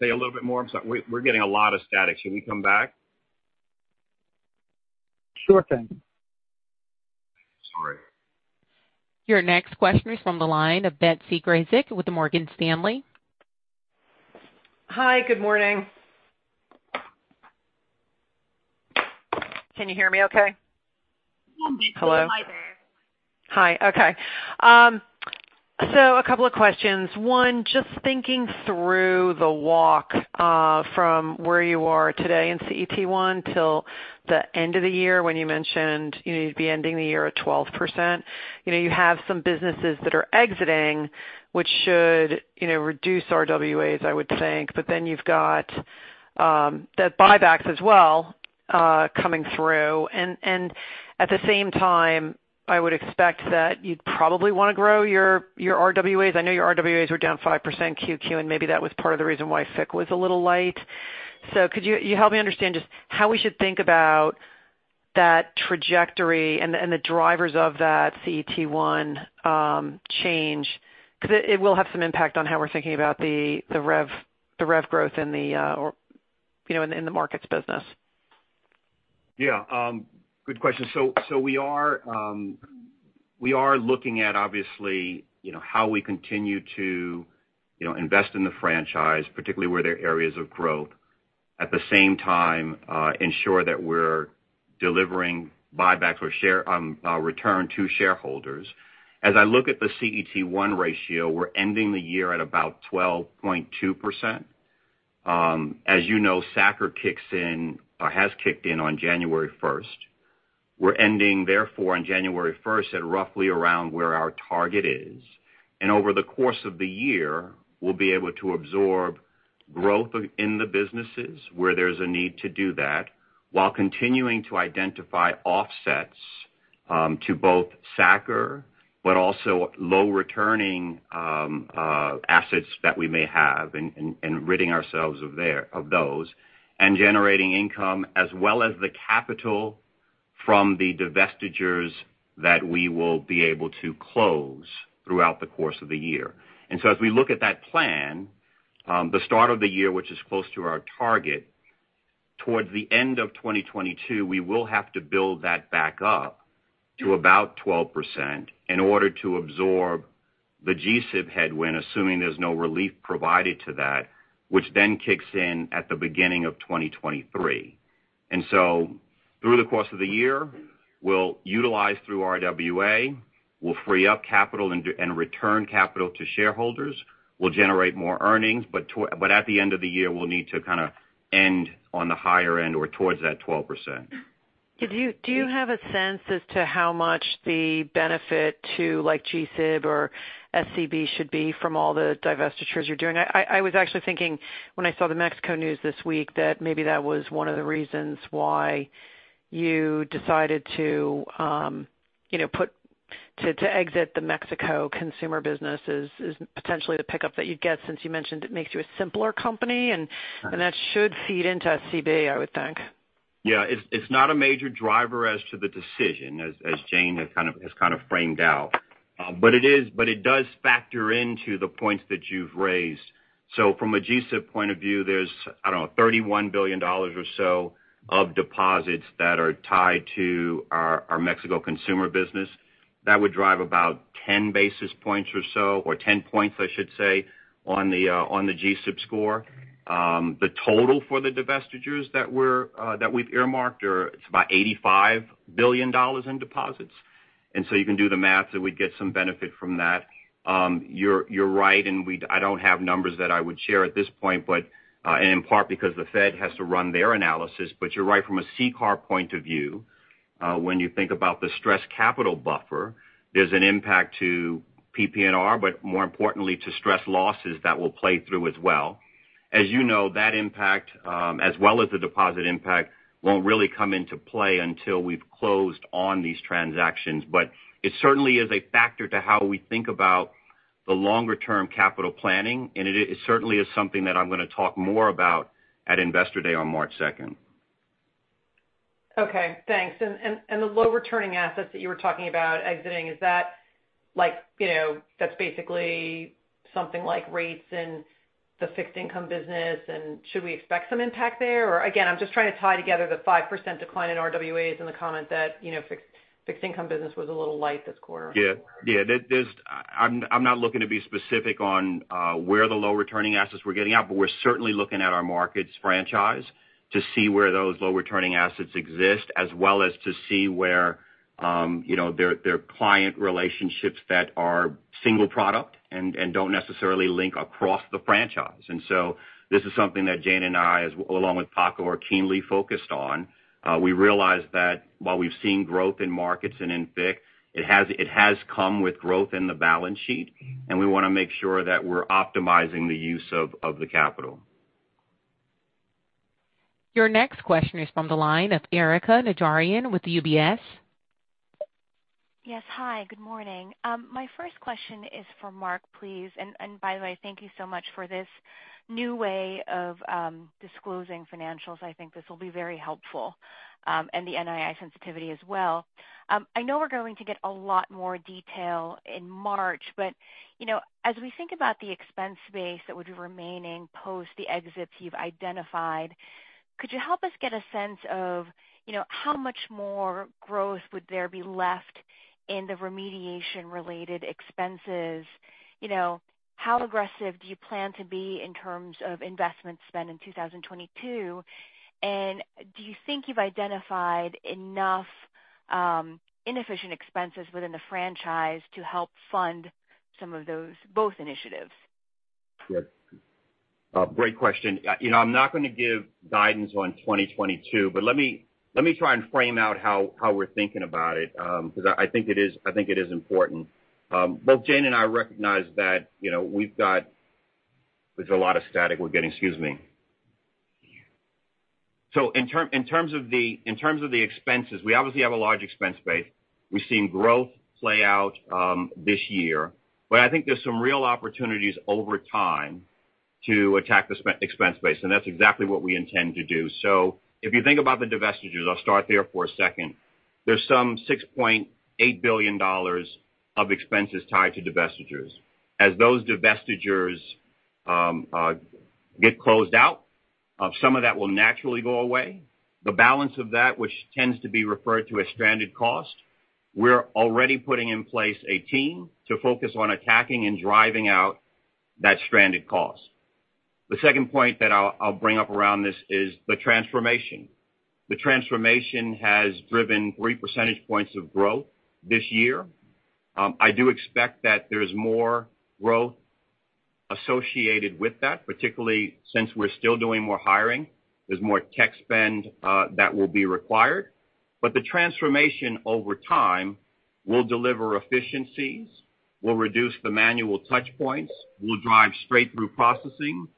Say a little bit more. I'm sorry. We're getting a lot of static. Should we come back? Sure thing. Sorry. Your next question is from the line of Betsy Graseck with Morgan Stanley. Hi. Good morning. Can you hear me okay? Hi, Betsy. Hello. Hi there. Hi. Okay. So a couple of questions. One, just thinking through the walk from where you are today in CET1 till the end of the year when you mentioned you need to be ending the year at 12%. You know, you have some businesses that are exiting, which should, you know, reduce RWAs, I would think. But then you've got the buybacks as well coming through. And at the same time, I would expect that you'd probably wanna grow your RWA. I know your RWA were down 5% Q2, and maybe that was part of the reason why FICC was a little light. So, could you help me understand just how we should think about that trajectory and the drivers of that CET1 change? Because it will have some impact on how we're thinking about the rev growth in, you know, the markets business. Yeah. Good question. We are looking at obviously, you know, how we continue to, you know, invest in the franchise, particularly where there are areas of growth. At the same time, ensure that we're delivering buybacks or return to shareholders. As I look at the CET1 ratio, we're ending the year at about 12.2%. As you know, SA-CCR kicks in or has kicked in on January first. We're ending, therefore, on January first at roughly around where our target is. Over the course of the year, we'll be able to absorb growth in the businesses where there's a need to do that while continuing to identify offsets to both SA-CCR but also low returning assets that we may have and ridding ourselves of those, and generating income as well as the capital from the divestitures that we will be able to close throughout the course of the year. As we look at that plan, the start of the year which is close to our target, towards the end of 2022, we will have to build that back up to about 12% in order to absorb the GSIB headwind, assuming there's no relief provided to that, which then kicks in at the beginning of 2023. Through the course of the year, we'll utilize through RWA, we'll free up capital and return capital to shareholders. We'll generate more earnings, but at the end of the year, we'll need to kinda end on the higher end or towards that 12%. Do you have a sense as to how much the benefit to like GSIB or SCB should be from all the divestitures you're doing? I was actually thinking when I saw the Mexico news this week that maybe that was one of the reasons why you decided to you know to exit the Mexico consumer business is potentially the pickup that you'd get since you mentioned it makes you a simpler company. Right. That should feed into SCB, I would think. Yeah, it's not a major driver as to the decision as Jane has kind of framed out. But it does factor into the points that you've raised. From a GSIB point of view, there's, I don't know, $31 billion or so of deposits that are tied to our Mexico consumer business. That would drive about 10 basis points or so, or 10 points, I should say, on the GSIB score. The total for the divestitures that we've earmarked is about $85 billion in deposits. You can do the math that we'd get some benefit from that. You're right, and we don't have numbers that I would share at this point, but in part because the Fed has to run their analysis. You're right from a CCAR point of view, when you think about the stress capital buffer, there's an impact to PPNR, but more importantly to stress losses that will play through as well. As you know, that impact, as well as the deposit impact won't really come into play until we've closed on these transactions. It certainly is a factor to how we think about the longer-term capital planning, and it certainly is something that I'm gonna talk more about at Investor Day on March second. Okay. Thanks. The low returning assets that you were talking about exiting, is that like, you know, that's basically something like rates in the fixed income business, and should we expect some impact there? Or again, I'm just trying to tie together the 5% decline in RWAs and the comment that, you know, fixed income business was a little light this quarter. Yeah. Yeah. I'm not looking to be specific on where the low returning assets we're getting out, but we're certainly looking at our markets franchise to see where those low returning assets exist, as well as to see where you know there are client relationships that are single product and don't necessarily link across the franchise. This is something that Jane and I, along with Paco, are keenly focused on. We realize that while we've seen growth in markets and in FICC, it has come with growth in the balance sheet, and we wanna make sure that we're optimizing the use of the capital. Your next question is from the line of Erika Najarian with UBS. Yes. Hi, good morning. My first question is for Mark, please. By the way, thank you so much for this new way of disclosing financials. I think this will be very helpful, and the NII sensitivity as well. I know we're going to get a lot more detail in March, but you know, as we think about the expense base that would be remaining post the exits you've identified, could you help us get a sense of you know, how much more growth would there be left in the remediation-related expenses? You know, how aggressive do you plan to be in terms of investment spend in 2022? And do you think you've identified enough inefficient expenses within the franchise to help fund some of those both initiatives? Yes. A great question. You know, I'm not gonna give guidance on 2022, but let me try and frame out how we're thinking about it, because I think it is important. Both Jane and I recognize that, you know, we've got a lot of static we're getting. Excuse me. In terms of the expenses, we obviously have a large expense base. We've seen growth play out this year. I think there's some real opportunities over time to attack the expense base, and that's exactly what we intend to do. If you think about the divestitures, I'll start there for a second. There's $6.8 billion of expenses tied to divestitures. As those divestitures get closed out, some of that will naturally go away. The balance of that, which tends to be referred to as stranded cost, we're already putting in place a team to focus on attacking and driving out that stranded cost. The second point that I'll bring up around this is the transformation. The transformation has driven three percentage points of growth this year. I do expect that there's more growth associated with that, particularly since we're still doing more hiring. There's more tech spend that will be required. The transformation over time will deliver efficiencies, will reduce the manual touch points, will drive straight through processing,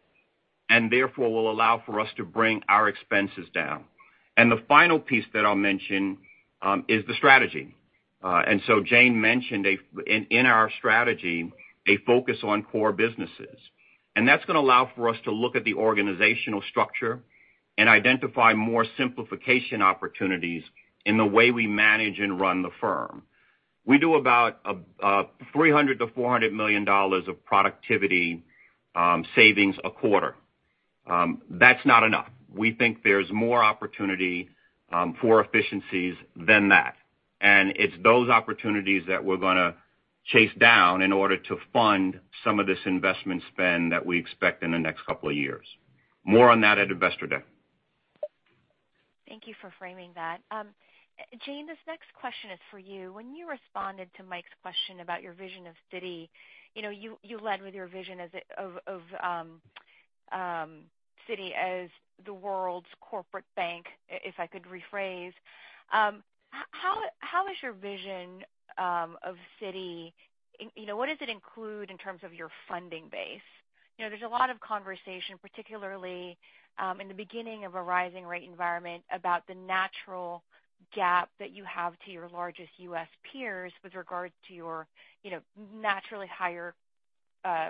and therefore will allow for us to bring our expenses down. The final piece that I'll mention is the strategy. Jane mentioned in our strategy a focus on core businesses. That's gonna allow for us to look at the organizational structure and identify more simplification opportunities in the way we manage and run the firm. We do about $300 million-$400 million of productivity savings a quarter. That's not enough. We think there's more opportunity for efficiencies than that. It's those opportunities that we're gonna chase down in order to fund some of this investment spend that we expect in the next couple of years. More on that at Investor Day. Thank you for framing that. Jane, this next question is for you. When you responded to Mike's question about your vision of Citi, you know, you led with your vision of Citi as the world's corporate bank, if I could rephrase. How is your vision of Citi, you know, what does it include in terms of your funding base? You know, there's a lot of conversation, particularly in the beginning of a rising rate environment about the natural gap that you have to your largest U.S. peers with regards to your, you know, naturally higher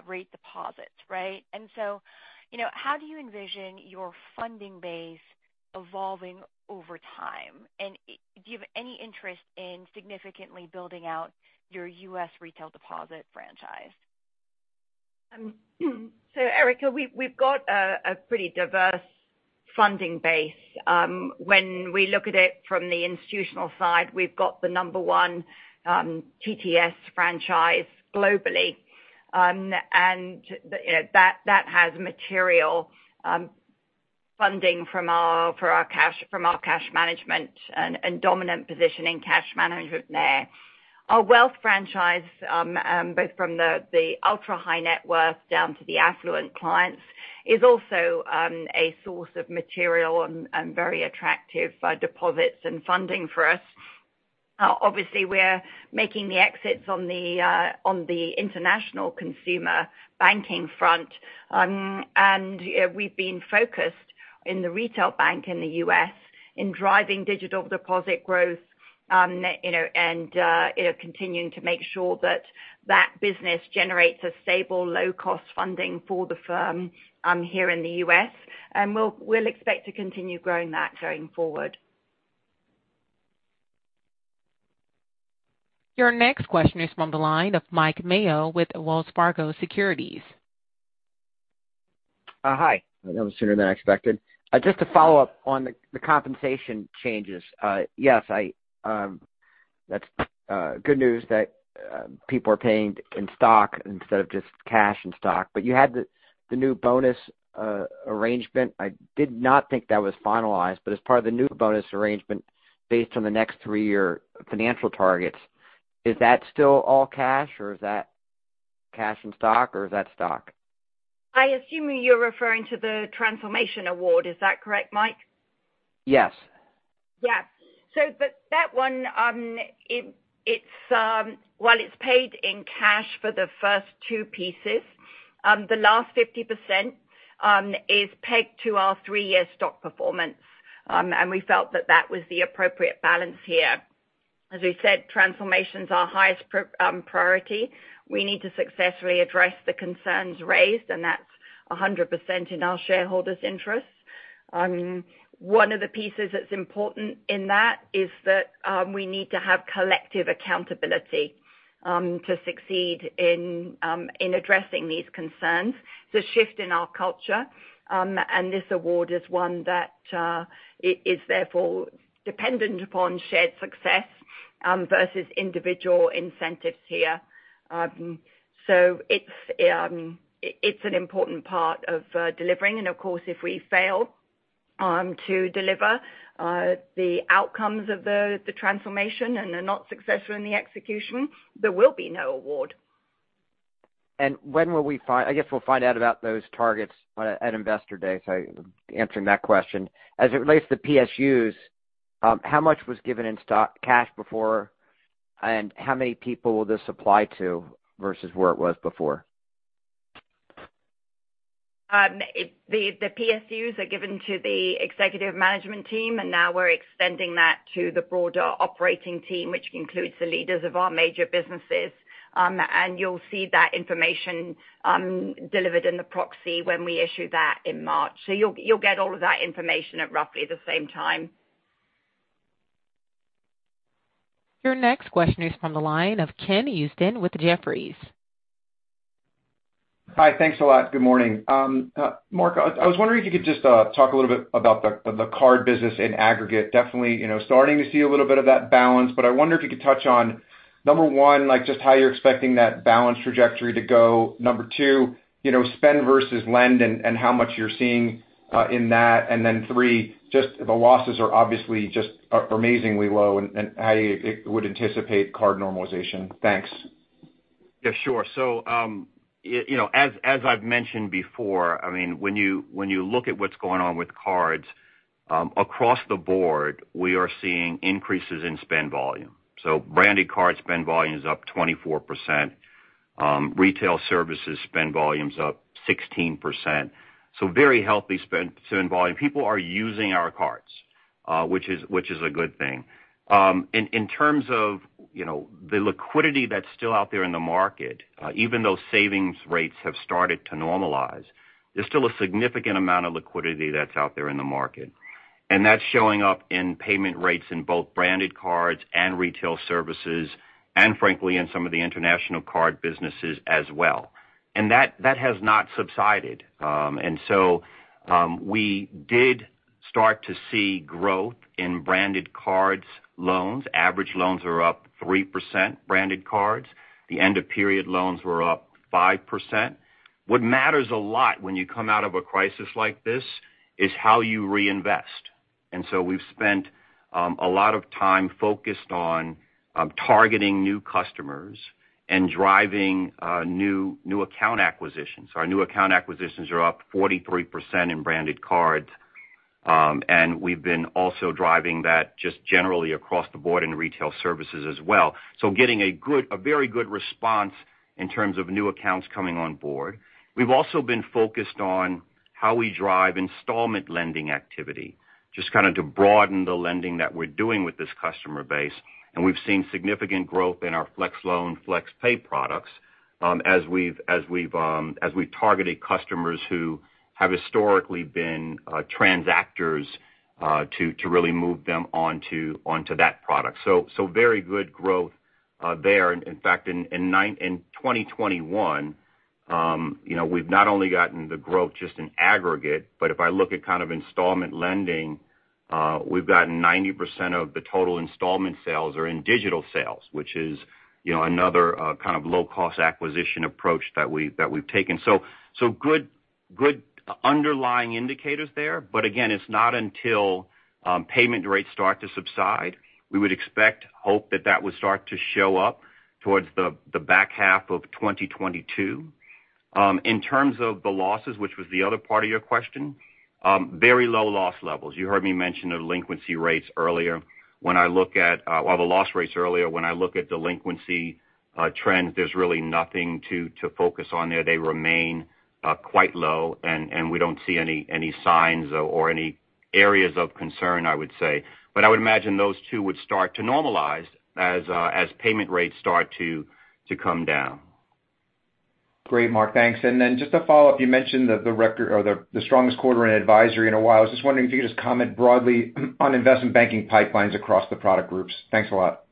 Rate deposits, right? You know, how do you envision your funding base evolving over time? Do you have any interest in significantly building out your U.S. retail deposit franchise? Erika, we've got a pretty diverse funding base. When we look at it from the institutional side, we've got the No. 1 TTS franchise globally. That has material funding from our cash management and dominant position in cash management there. Our wealth franchise both from the ultra-high net worth down to the affluent clients is also a source of material and very attractive deposits and funding for us. Obviously, we're making the exits on the international consumer banking front. We've been focused in the retail bank in the U.S. in driving digital deposit growth, you know, and continuing to make sure that that business generates a stable, low-cost funding for the firm here in the U.S. We'll expect to continue growing that going forward. Your next question is from the line of Mike Mayo with Wells Fargo Securities. Hi. That was sooner than I expected. Just to follow up on the compensation changes. Yes, that's good news that people are paying in stock instead of just cash and stock. You had the new bonus arrangement. I did not think that was finalized, but as part of the new bonus arrangement based on the next three-year financial targets, is that still all cash or is that cash and stock or is that stock? I assume you're referring to the transformation award. Is that correct, Mike? Yes. Yeah, that one, it's while it's paid in cash for the first two pieces, the last 50% is pegged to our three-year stock performance. We felt that was the appropriate balance here. As we said, transformation is our highest priority. We need to successfully address the concerns raised, and that's 100% in our shareholders' interests. One of the pieces that's important in that is that we need to have collective accountability to succeed in addressing these concerns. It's a shift in our culture, and this award is one that is therefore dependent upon shared success versus individual incentives here. It's an important part of delivering. Of course, if we fail to deliver the outcomes of the transformation and they're not successful in the execution, there will be no award. I guess we'll find out about those targets at Investor Day. Answering that question. As it relates to PSUs, how much was given in stock cash before, and how many people will this apply to versus where it was before? The PSUs are given to the executive management team, and now we're extending that to the broader operating team, which includes the leaders of our major businesses. You'll see that information delivered in the proxy when we issue that in March. You'll get all of that information at roughly the same time. Your next question is from the line of Ken Usdin with Jefferies. Hi. Thanks a lot. Good morning. Mark, I was wondering if you could just talk a little bit about the card business in aggregate. Definitely, you know, starting to see a little bit of that balance, but I wonder if you could touch on, number one, like, just how you're expecting that balance trajectory to go. Number two, you know, spend versus lend and how much you're seeing in that. Three, just the losses are obviously just amazingly low and how you would anticipate card normalization. Thanks. Yeah, sure. You know, as I've mentioned before, I mean, when you look at what's going on with cards, across the board, we are seeing increases in spend volume. Branded Cards spend volume is up 24%. Retail Services spend volume is up 16%. Very healthy spend volume. People are using our cards, which is a good thing. In terms of the liquidity that's still out there in the market, even though savings rates have started to normalize, there's still a significant amount of liquidity that's out there in the market. That has not subsided. We did start to see growth in branded cards loans. Average loans are up 3%, branded cards. The end-of-period loans were up 5%. What matters a lot when you come out of a crisis like this is how you reinvest. We've spent a lot of time focused on targeting new customers and driving new account acquisitions. Our new account acquisitions are up 43% in branded cards. We've been also driving that just generally across the board in retail services as well. Getting a very good response in terms of new accounts coming on board. We've also been focused on how we drive installment lending activity, just kind of to broaden the lending that we're doing with this customer base. We've seen significant growth in our Flex Loan, Flex Pay products, as we targeted customers who have historically been transactors to really move them onto that product. Very good growth there. In fact, in 2021, we've not only gotten the growth just in aggregate, but if I look at kind of installment lending, we've gotten 90% of the total installment sales are in digital sales, which is another kind of low-cost acquisition approach that we've taken. Good underlying indicators there. Again, it's not until payment rates start to subside. We would expect hope that that would start to show up towards the back half of 2022. In terms of the losses, which was the other part of your question, very low loss levels. You heard me mention delinquency rates earlier. When I look at or the loss rates earlier, when I look at delinquency trends, there's really nothing to focus on there. They remain quite low, and we don't see any signs or any areas of concern, I would say. I would imagine those two would start to normalize as payment rates start to come down. Great, Mark, thanks. Just to follow up, you mentioned that the strongest quarter in advisory in a while. I was just wondering if you could just comment broadly on investment banking pipelines across the product groups. Thanks a lot.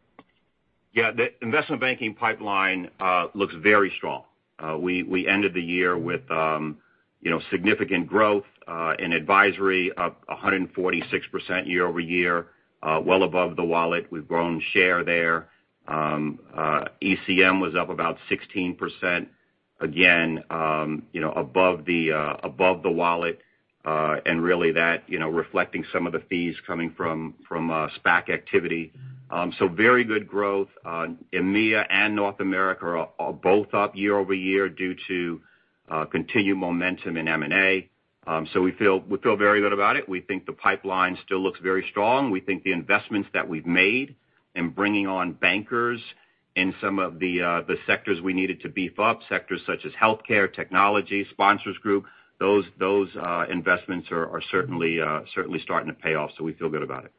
Yeah. The investment banking pipeline looks very strong. We ended the year with, you know, significant growth in advisory, up 146% year-over-year, well above the wallet. We've grown share there. ECM was up about 16%, again, you know, above the wallet, and really that, you know, reflecting some of the fees coming from SPAC activity. So very good growth. EMEA and North America are both up year-over-year due to continued momentum in M&A. So, we feel very good about it. We think the pipeline still looks very strong. We think the investments that we've made in bringing on bankers in some of the sectors we needed to beef up, sectors such as healthcare, technology, sponsors group, those investments are certainly starting to pay off, so we feel good about it.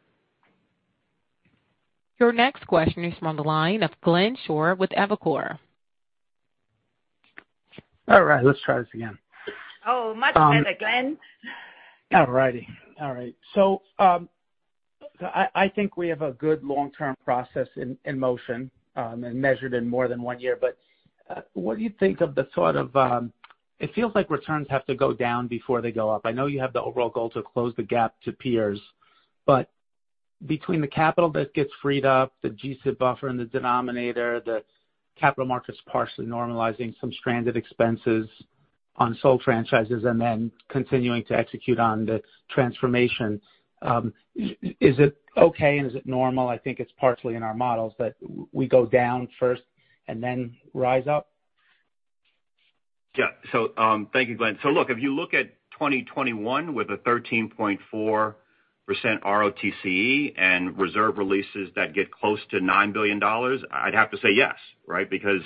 Your next question is from Glenn Schorr on the line with Evercore. All right, let's try this again. Oh, much better, Glenn. All righty. All right. I think we have a good long-term process in motion and measured in more than one year. What do you think of the sort of. It feels like returns have to go down before they go up. I know you have the overall goal to close the gap to peers, but between the capital that gets freed up, the GSIB buffer in the denominator, the capital markets partially normalizing some stranded expenses on Legacy Franchises, and then continuing to execute on the transformation, is it okay and is it normal, I think it's partially in our models, that we go down first and then rise up? Yeah. Thank you, Glenn. Look, if you look at 2021 with a 13.4% RoTCE and reserve releases that get close to $9 billion, I'd have to say yes, right? Because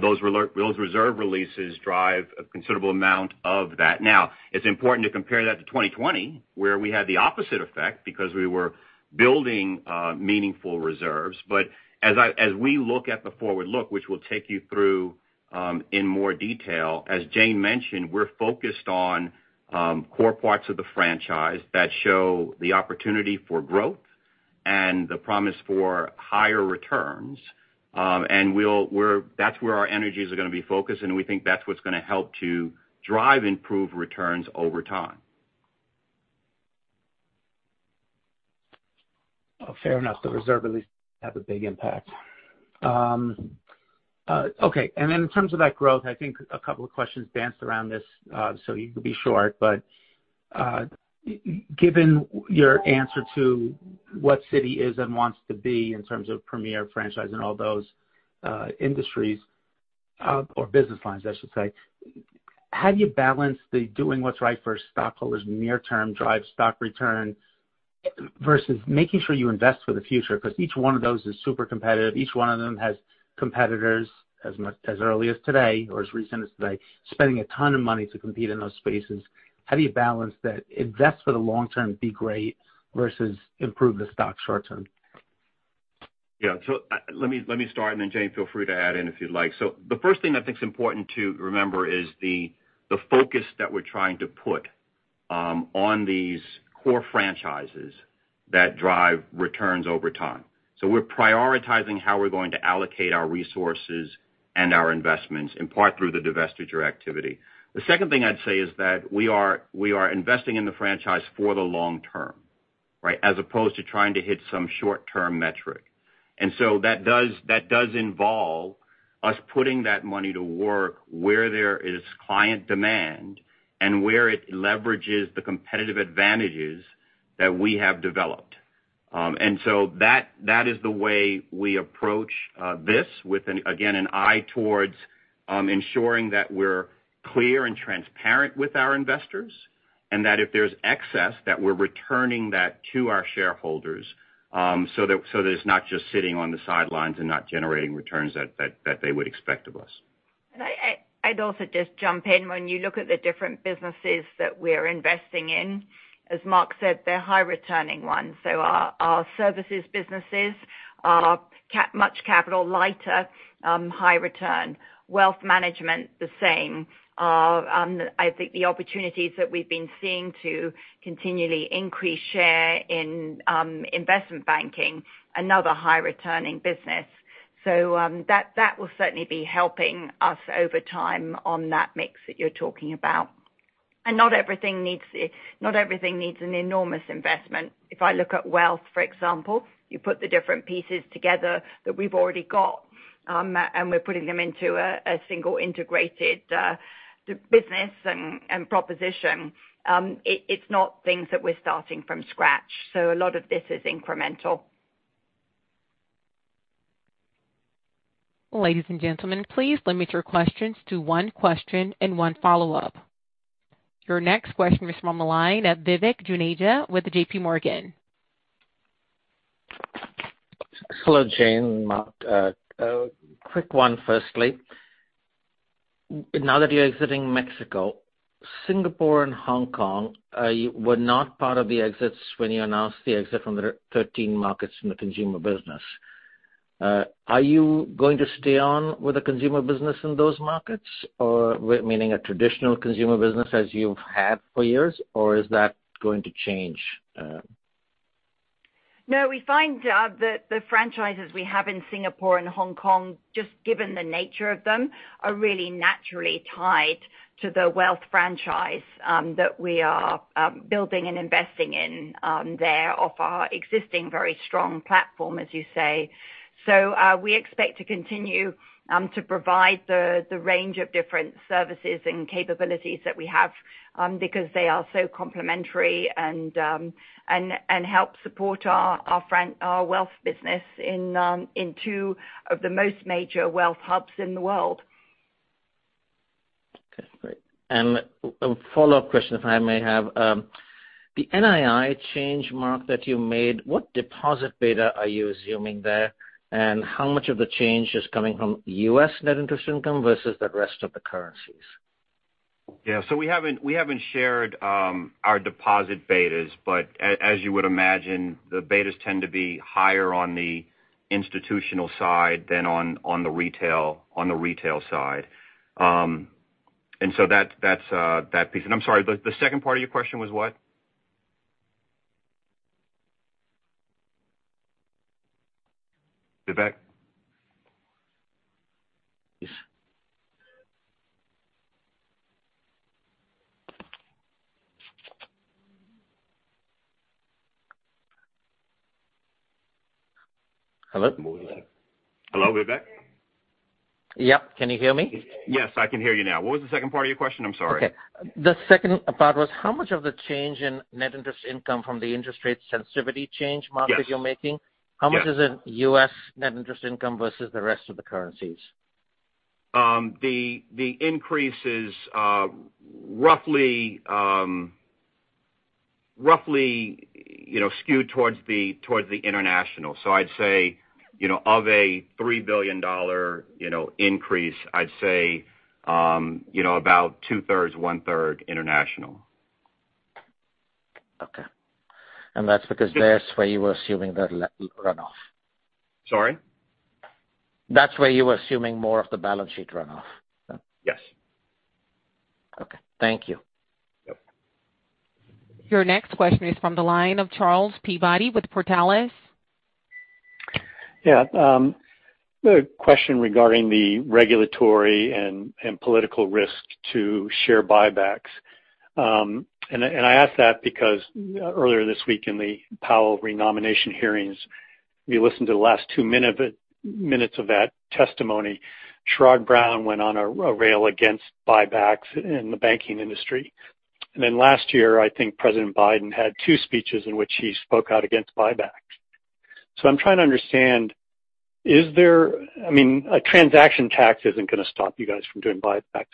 those reserve releases drive a considerable amount of that. Now, it's important to compare that to 2020, where we had the opposite effect because we were building meaningful reserves. As we look at the forward look, which we'll take you through in more detail, as Jane mentioned, we're focused on core parts of the franchise that show the opportunity for growth and the promise for higher returns. That's where our energies are gonna be focused, and we think that's what's gonna help to drive improved returns over time. Fair enough. The reserve at least has a big impact. In terms of that growth, I think a couple of questions danced around this, so you can be short, but, given your answer to what Citi is and wants to be in terms of premier franchise and all those industries, or business lines, I should say, how do you balance the doing what's right for stockholders near term, drive stock return, versus making sure you invest for the future? Because each one of those is super competitive. Each one of them has competitors as much as early as today, or as recent as today, spending a ton of money to compete in those spaces. How do you balance that invest for the long term, be great, versus improve the stock short term? Yeah. Let me start, and then Jane, feel free to add in if you'd like. The first thing I think is important to remember is the focus that we're trying to put on these core franchises that drive returns over time. We're prioritizing how we're going to allocate our resources and our investments, in part through the divestiture activity. The second thing I'd say is that we are investing in the franchise for the long term, right? As opposed to trying to hit some short-term metric. That does involve us putting that money to work where there is client demand and where it leverages the competitive advantages that we have developed. That is the way we approach this with an eye toward, again, ensuring that we're clear and transparent with our investors, and that if there's excess, that we're returning that to our shareholders, so that it's not just sitting on the sidelines and not generating returns that they would expect of us. I'd also just jump in. When you look at the different businesses that we're investing in, as Mark said, they're high returning ones. Our services businesses are much capital lighter, high return. Wealth management, the same. I think the opportunities that we've been seeing to continually increase share in investment banking, another high returning business. That will certainly be helping us over time on that mix that you're talking about. Not everything needs an enormous investment. If I look at wealth, for example, you put the different pieces together that we've already got, and we're putting them into a single integrated business and proposition. It's not things that we're starting from scratch. A lot of this is incremental. Ladies and gentlemen, please limit your questions to one question and one follow-up. Your next question is from the line of Vivek Juneja with J.P. Morgan. Hello, Jane, Mark. A quick one firstly. Now that you're exiting Mexico, Singapore and Hong Kong, you were not part of the exits when you announced the exit from the thirteen markets in the consumer business. Are you going to stay on with the consumer business in those markets? Or meaning a traditional consumer business as you've had for years, or is that going to change? No, we find the franchises we have in Singapore and Hong Kong, just given the nature of them, are really naturally tied to the wealth franchise that we are building and investing in there of our existing very strong platform, as you say. We expect to continue to provide the range of different services and capabilities that we have because they are so complementary and help support our wealth business in two of the most major wealth hubs in the world. Okay, great. A follow-up question, if I may have. The NII change, Mark, that you made, what deposit beta are you assuming there? How much of the change is coming from U.S. net interest income versus the rest of the currencies? We haven't shared our deposit betas. As you would imagine, the betas tend to be higher on the institutional side than on the retail side. That's that piece. I'm sorry, the second part of your question was what? Vivek? Yes. Hello? Hello, Vivek? Yeah. Can you hear me? Yes, I can hear you now. What was the second part of your question? I'm sorry. Okay. The second part was how much of the change in net interest income from the interest rate sensitivity change, Mark? Yes. that you're making. Yeah. How much is it U.S. net interest income versus the rest of the currencies? The increase is roughly, you know, skewed towards the international. I'd say, you know, of a $3 billion increase, I'd say, you know, about two-thirds, one-third international. Okay. That's because that's where you were assuming the runoff. Sorry? That's where you were assuming more of the balance sheet runoff. Yes. Okay, thank you. Yep. Your next question is from the line of Charles Peabody with Portales. A question regarding the regulatory, and I ask that because earlier this week in the Powell renomination hearings, if you listened to the last two minutes of that testimony, Sherrod Brown went on a tirade against buybacks in the banking industry. Then last year, I think President Biden had two speeches in which he spoke out against buybacks. I'm trying to understand, is there I mean, a transaction tax isn't gonna stop you guys from doing buybacks.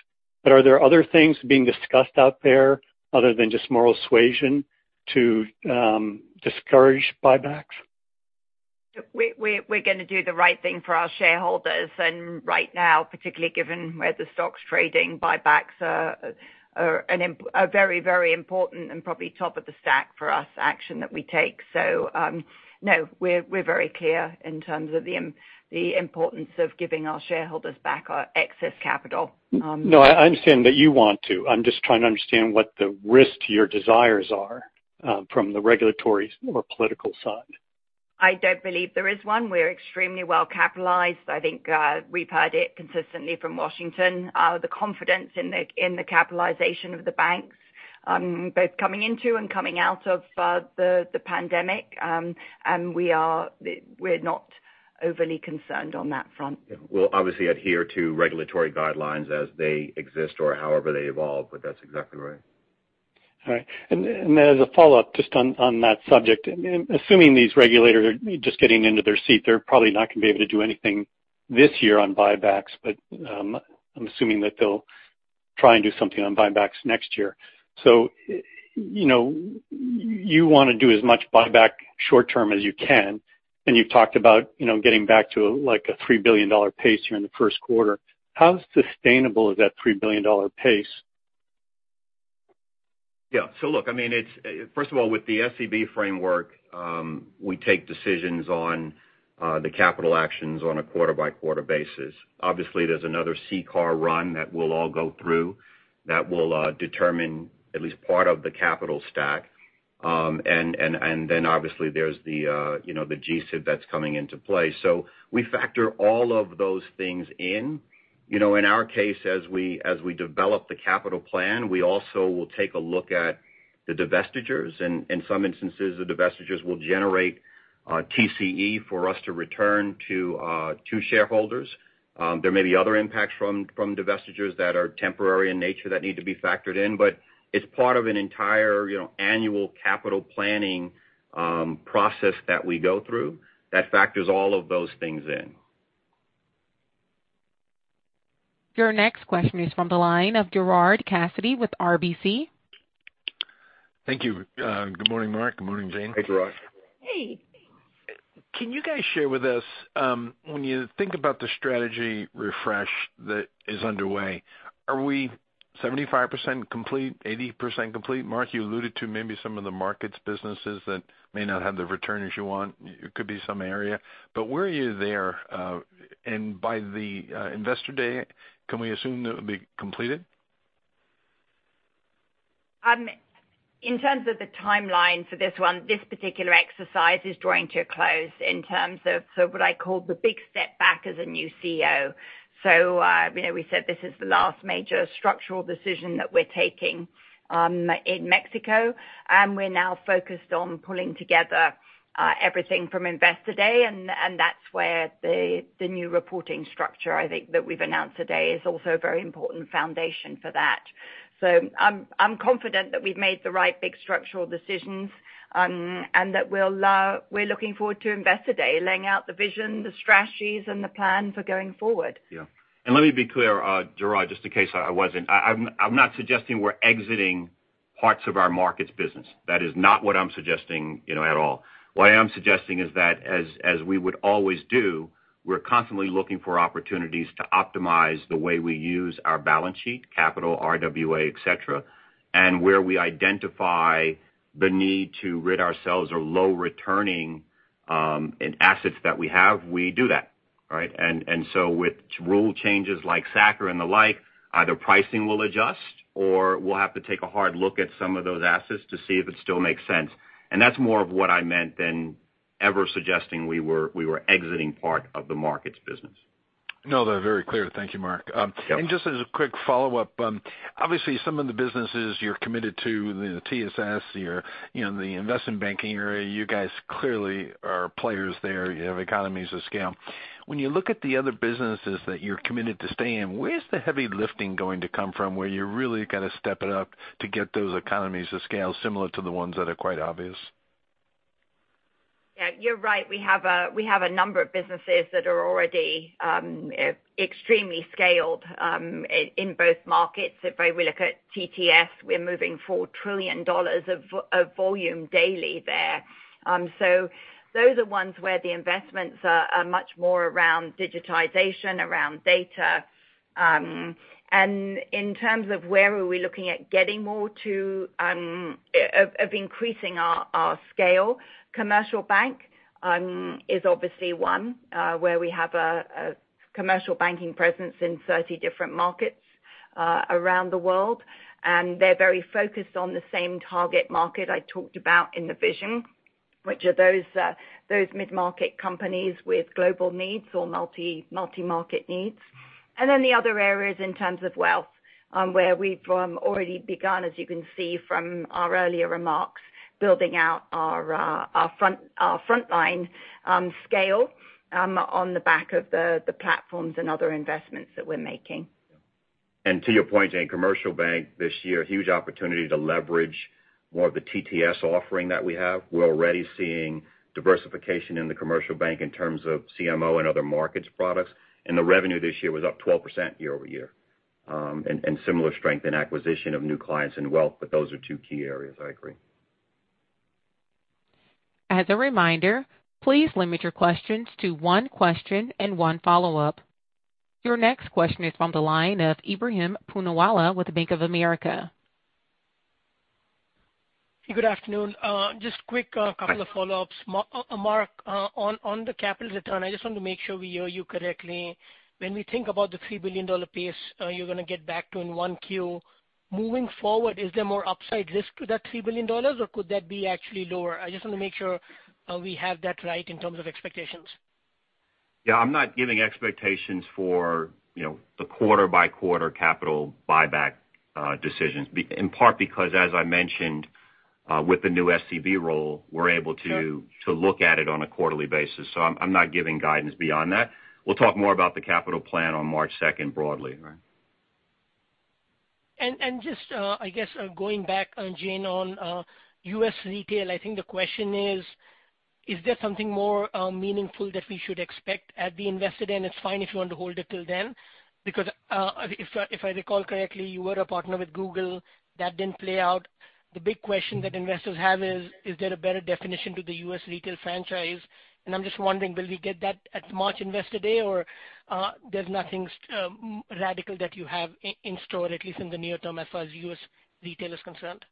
But are there other things being discussed out there other than just moral suasion to discourage buybacks? We're gonna do the right thing for our shareholders. Right now, particularly given where the stock's trading, buybacks are very, very important and probably top of the stack for us, action that we take. No, we're very clear in terms of the importance of giving our shareholders back our excess capital. No, I understand that you want to. I'm just trying to understand what the risk to your desires are from the regulatory or political side. I don't believe there is one. We're extremely well capitalized. I think, we've heard it consistently from Washington, the confidence in the capitalization of the banks, both coming into and coming out of the pandemic. We're not overly concerned on that front. We'll obviously adhere to regulatory guidelines as they exist or however they evolve, but that's exactly right. All right. As a follow-up just on that subject. Assuming these regulators are just getting into their seat, they're probably not gonna be able to do anything this year on buybacks. I'm assuming that they'll Try and do something on buybacks next year. You know, you wanna do as much buyback short term as you can, and you've talked about, you know, getting back to, like, a $3 billion pace here in the first quarter. How sustainable is that $3 billion pace? Yeah. Look, I mean, it's. First of all, with the SCB framework, we take decisions on the capital actions on a quarter-by-quarter basis. Obviously, there's another CCAR run that we'll all go through that will determine at least part of the capital stack. And then obviously there's the, you know, the GSIB that's coming into play. We factor all of those things in. You know, in our case, as we develop the capital plan, we also will take a look at the divestitures. In some instances, the divestitures will generate TCE for us to return to shareholders. There may be other impacts from divestitures that are temporary in nature that need to be factored in. It's part of an entire, you know, annual capital planning process that we go through that factors all of those things in. Your next question is from the line of Gerard Cassidy with RBC. Thank you. Good morning, Mark, good morning, Jane. Hey, Gerard. Hey. Can you guys share with us, when you think about the strategy refresh that is underway, are we 75% complete, 80% complete? Mark, you alluded to maybe some of the markets businesses that may not have the returns you want. It could be some area. Where are you there? And by the Investor Day, can we assume that it'll be completed? In terms of the timeline for this one, this particular exercise is drawing to a close in terms of what I call the big step back as a new CEO. So, we said this is the last major structural decision that we're taking in Mexico, and we're now focused on pulling together everything from Investor Day, and that's where the new reporting structure, I think, that we've announced today is also a very important foundation for that. I'm confident that we've made the right big structural decisions, and that we're looking forward to Investor Day, laying out the vision, the strategies, and the plan for going forward. Yeah. Let me be clear, Gerard, just in case I wasn't. I'm not suggesting we're exiting parts of our markets business. That is not what I'm suggesting, you know, at all. What I am suggesting is that as we would always do, we're constantly looking for opportunities to optimize the way we use our balance sheet, capital, RWA, etc. Where we identify the need to rid ourselves of low returning assets that we have, we do that, right? So, with rule changes like SA-CCR and the like, either pricing will adjust or we'll have to take a hard look at some of those assets to see if it still makes sense. That's more of what I meant than ever suggesting we were exiting part of the markets business. No, they're very clear. Thank you, Mark. Yeah. Just as a quick follow-up, obviously some of the businesses you're committed to, the TSS, your, you know, the investment banking area, you guys clearly are players there. You have economies of scale. When you look at the other businesses that you're committed to stay in, where's the heavy lifting going to come from, where you really gotta step it up to get those economies of scale similar to the ones that are quite obvious? Yeah, you're right. We have a number of businesses that are already extremely scaled in both markets. If I look at TTS, we're moving $4 trillion of volume daily there. So those are ones where the investments are much more around digitization, around data. In terms of where we are looking to increase our scale, commercial bank is obviously one, where we have a commercial banking presence in 30 different markets around the world, and they're very focused on the same target market I talked about in the vision, which are those mid-market companies with global needs or multi-market needs. The other areas in terms of wealth, where we've already begun, as you can see from our earlier remarks, building out our frontline scale on the back of the platforms and other investments that we're making. To your point, Jane, commercial bank this year, huge opportunity to leverage more of the TTS offering that we have. We're already seeing diversification in the commercial bank in terms of CMO and other markets products. The revenue this year was up 12% year-over-year. Similar strength in acquisition of new clients and wealth, but those are two key areas. I agree. As a reminder, please limit your questions to one question and one follow-up. Your next question is from the line of Ebrahim Poonawala with Bank of America. Good afternoon. Just quick couple of follow-ups. Mark, on the capital return, I just want to make sure we hear you correctly. When we think about the $3 billion pace you're gonna get back to in 1Q, moving forward, is there more upside risk to that $3 billion, or could that be actually lower? I just want to make sure we have that right in terms of expectations. Yeah, I'm not giving expectations for, you know, the quarter by quarter capital buyback decisions in part because, as I mentioned, with the new SCB role, we're able to- Sure to look at it on a quarterly basis. I'm not giving guidance beyond that. We'll talk more about the capital plan in March second broadly. I guess going back, Jane, on U.S. retail. I think the question is there something more meaningful that we should expect at the Investor Day, and it's fine if you want to hold it till then? Because if I recall correctly, you were a partner with Google. That didn't play out. The big question that investors have is there a better definition to the U.S. retail franchise? I'm just wondering, will we get that at March Investor Day or there's nothing radical that you have in store, at least in the near term, as far as U.S. retail is concerned?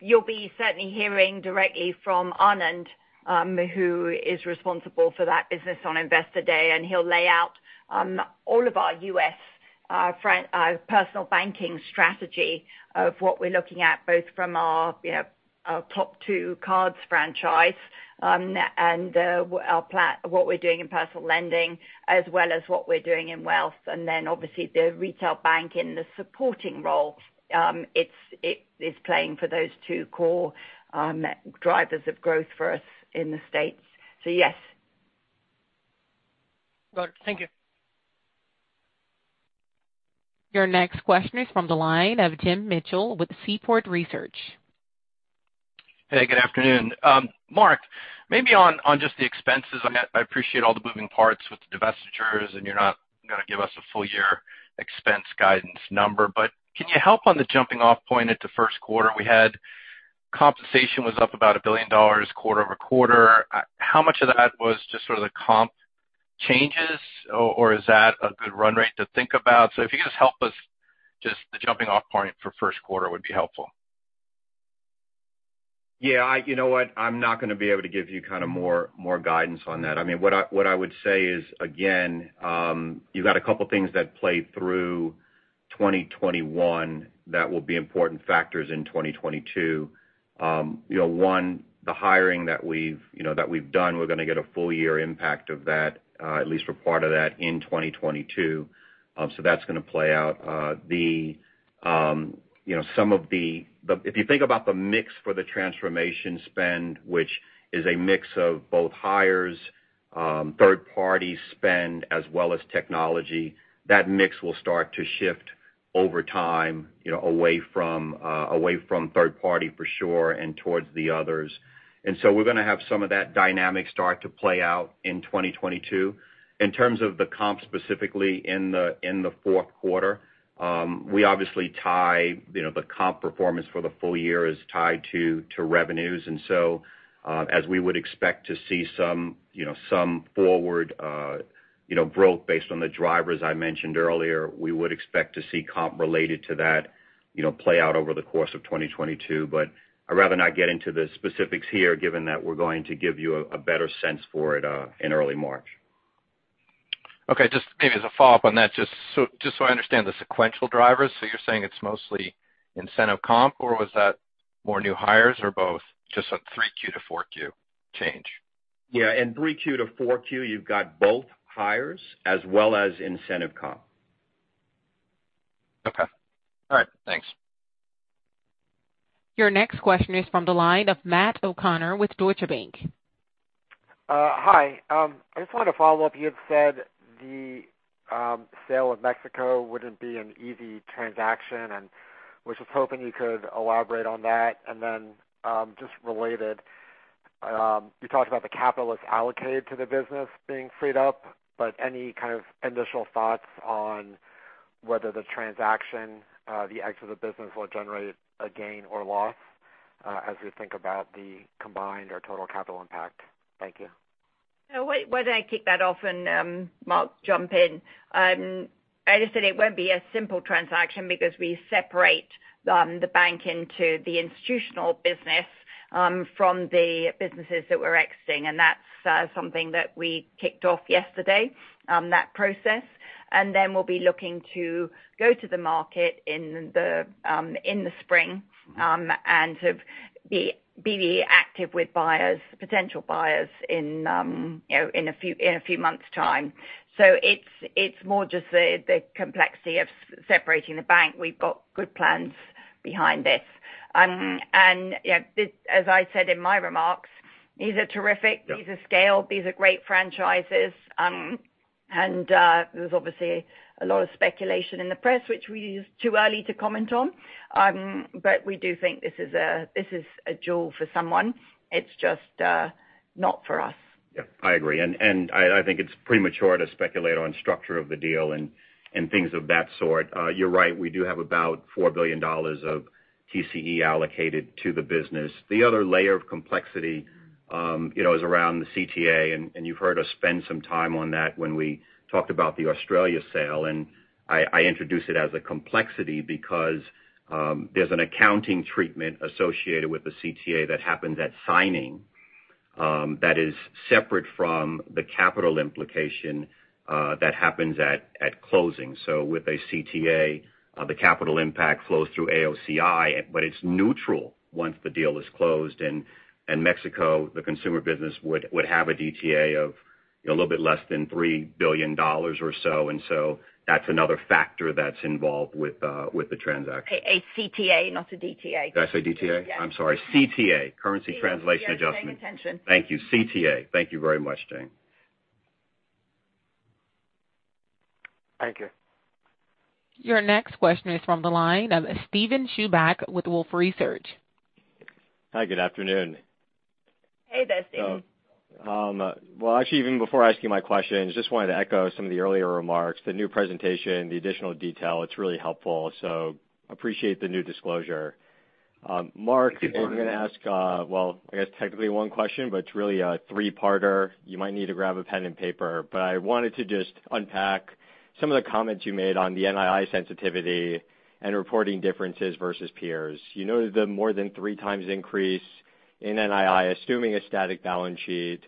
You'll be certainly hearing directly from Anand, who is responsible for that business on Investor Day, and he'll lay out all of our U.S. personal banking strategy of what we're looking at, both from our, you know, our top two cards franchise, and what we're doing in personal lending, as well as what we're doing in wealth. Obviously, the retail bank in the supporting role, it is playing for those two core drivers of growth for us in the States. Yes. Got it. Thank you. Your next question is from the line of Jim Mitchell with Seaport Research. Hey, good afternoon. Mark, maybe on just the expenses. I appreciate all the moving parts with the divestitures, and you're not gonna give us a full year expense guidance number. Can you help on the jumping off point at the first quarter we had? Compensation was up about $1 billion quarter-over-quarter. How much of that was just sort of the comp changes, or is that a good run rate to think about? If you could just help us just the jumping off point for first quarter would be helpful. Yeah. You know what? I'm not gonna be able to give you kind of more guidance on that. I mean, what I would say is, again, you got a couple things that play through 2021 that will be important factors in 2022. You know, one, the hiring that we've done, we're gonna get a full year impact of that, at least for part of that, in 2022. So that's gonna play out. You know, some of the. If you think about the mix for the transformation spend, which is a mix of both hires, third party spend, as well as technology, that mix will start to shift over time, you know, away from third party for sure and towards the others. We're gonna have some of that dynamic start to play out in 2022. In terms of the comp specifically in the fourth quarter, we obviously tie the comp performance for the full year is tied to revenues. As we would expect to see some forward growth based on the drivers I mentioned earlier, we would expect to see comp related to that play out over the course of 2022. I'd rather not get into the specifics here given that we're going to give you a better sense for it in early March. Okay. Just maybe as a follow-up on that, just so I understand the sequential drivers. You're saying it's mostly incentive comp, or was that more new hires or both? Just on 3Q to 4Q change. Yeah. In 3Q to 4Q, you've got both hires as well as incentive comp. Okay. All right. Thanks. Your next question is from the line of Matt O'Connor with Deutsche Bank. Hi. I just wanted to follow up. You had said the sale of Mexico wouldn't be an easy transaction, and I was just hoping you could elaborate on that. Just related, you talked about the capital that's allocated to the business being freed up, but any kind of initial thoughts on whether the transaction, the exit of the business will generate a gain or loss, as we think about the combined or total capital impact? Thank you. No. Why don't I kick that off and, Mark, jump in. I just said it won't be a simple transaction because we separate the bank into the institutional business from the businesses that we're exiting, and that's something that we kicked off yesterday, that process. Then we'll be looking to go to the market in the spring and to be active with buyers, potential buyers in, you know, in a few months' time. It's more just the complexity of separating the bank. We've got good plans behind this. You know, this, as I said in my remarks, these are terrific. Yeah. These are scale. These are great franchises. There's obviously a lot of speculation in the press, which really is too early to comment on. We do think this is a jewel for someone. It's just not for us. Yeah, I agree. I think it's premature to speculate on structure of the deal and things of that sort. You're right, we do have about $4 billion of TCE allocated to the business. The other layer of complexity, you know, is around the CTA, and you've heard us spend some time on that when we talked about the Australia sale. I introduce it as a complexity because there's an accounting treatment associated with the CTA that happens at signing, that is separate from the capital implication that happens at closing. With a CTA, the capital impact flows through AOCI, but it's neutral once the deal is closed. Mexico, the consumer business would have a DTA of a little bit less than $3 billion or so. That's another factor that's involved with the transaction. A CTA, not a DTA. Did I say DTA? Yeah. I'm sorry. CTA, currency translation adjustment. See, I wasn't paying attention. Thank you. CTA. Thank you very much, Jane. Thank you. Your next question is from the line of Steven Chubak with Wolfe Research. Hi, good afternoon. Hey there, Steven. Well, actually, even before asking my questions, just wanted to echo some of the earlier remarks, the new presentation, the additional detail, it's really helpful. Appreciate the new disclosure. Mark, I'm gonna ask, well, I guess technically one question, but it's really a three parter. You might need to grab a pen and paper. I wanted to just unpack some of the comments you made on the NII sensitivity and reporting differences versus peers. You noted the more than three times increase in NII, assuming a static balance sheet.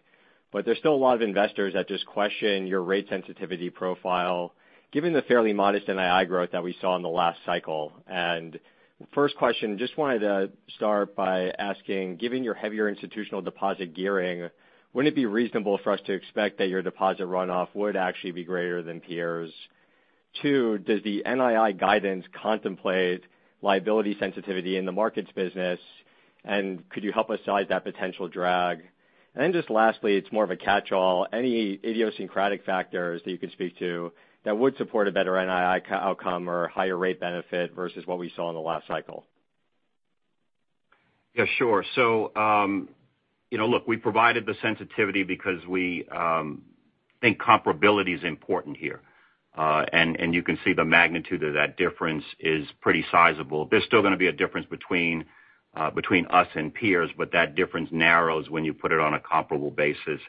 There's still a lot of investors that just question your rate sensitivity profile, given the fairly modest NII growth that we saw in the last cycle. First question, just wanted to start by asking, given your heavier institutional deposit gearing, wouldn't it be reasonable for us to expect that your deposit runoff would actually be greater than peers? Two, does the NII guidance contemplate liability sensitivity in the markets business? And could you help us size that potential drag? And then just lastly, it's more of a catch-all, any idiosyncratic factors that you could speak to that would support a better NII outcome or higher rate benefit versus what we saw in the last cycle? Yeah, sure. You know, look, we provided the sensitivity because we think comparability is important here. You can see the magnitude of that difference is pretty sizable. There's still gonna be a difference between us and peers, but that difference narrows when you put it on a comparable basis.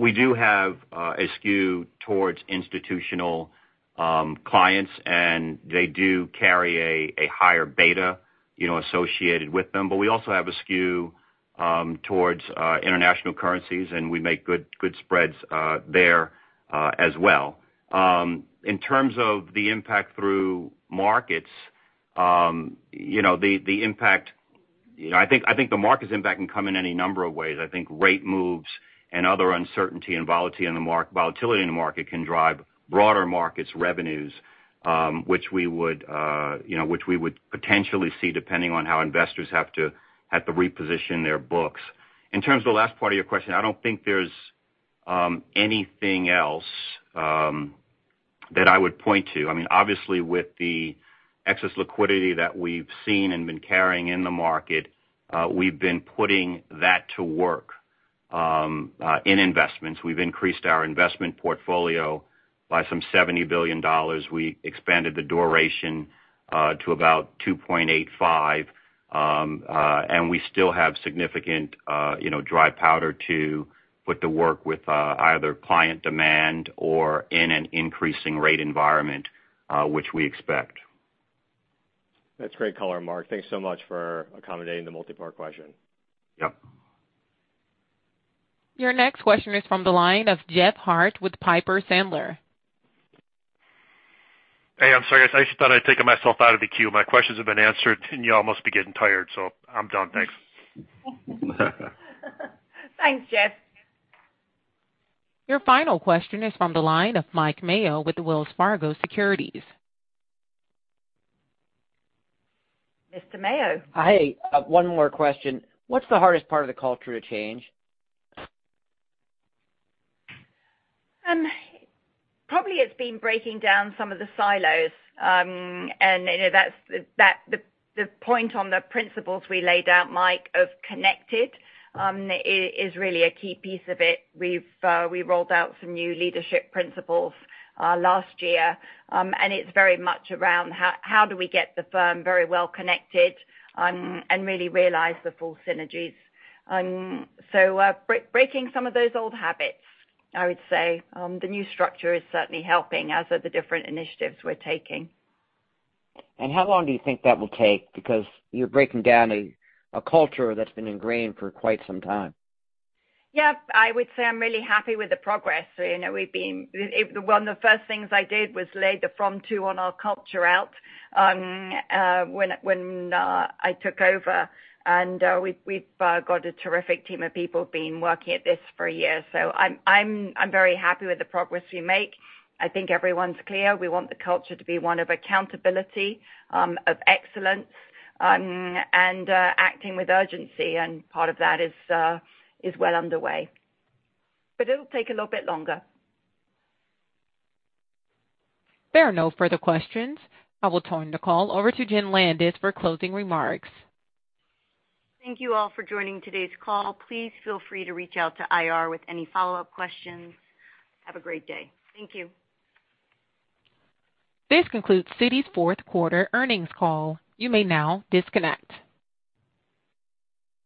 We do have a skew towards institutional clients, and they do carry a higher beta, you know, associated with them. We also have a skew towards international currencies, and we make good spreads there as well. In terms of the impact through markets, the impact, you know, I think the markets impact can come in any number of ways. I think rate moves and other uncertainty and volatility in the market can drive broader markets revenues, which we would, you know, which we would potentially see depending on how investors have to reposition their books. In terms of the last part of your question, I don't think there's anything else that I would point to. I mean, obviously with the excess liquidity that we've seen and been carrying in the market, we've been putting that to work in investments. We've increased our investment portfolio by some $70 billion. We expanded the duration to about 2.85. And we still have significant, you know, dry powder to put to work with either client demand or in an increasing rate environment, which we expect. That's great color, Mark. Thanks so much for accommodating the multiple question. Yep. Your next question is from the line of Jeff Harte with Piper Sandler. Hey, I'm sorry. I just thought I'd taken myself out of the queue. My questions have been answered, and you all must be getting tired, so I'm done. Thanks. Thanks, Jeff. Your final question is from the line of Mike Mayo with Wells Fargo Securities. Mr. Mayo? Hi. One more question. What's the hardest part of the culture change? Probably it's been breaking down some of the silos. You know, that's the point on the principles we laid out, Mike, of connected is really a key piece of it. We've rolled out some new leadership principles last year, and it's very much around how do we get the firm very well connected and really realize the full synergies. Breaking some of those old habits, I would say. The new structure is certainly helping, as are the different initiatives we're taking. How long do you think that will take? Because you're breaking down a culture that's been ingrained for quite some time. Yeah. I would say I'm really happy with the progress. You know, one of the first things I did was lay the foundation out on our culture when I took over, and we've got a terrific team of people been working at this for a year. So, I'm very happy with the progress we make. I think everyone's clear. We want the culture to be one of accountability, of excellence, and acting with urgency, and part of that is well underway. But it'll take a little bit longer. There are no further questions. I will turn the call over to Jenn Landis for closing remarks. Thank you all for joining today's call. Please feel free to reach out to IR with any follow-up questions. Have a great day. Thank you. This concludes Citi's fourth quarter earnings call. You may now disconnect.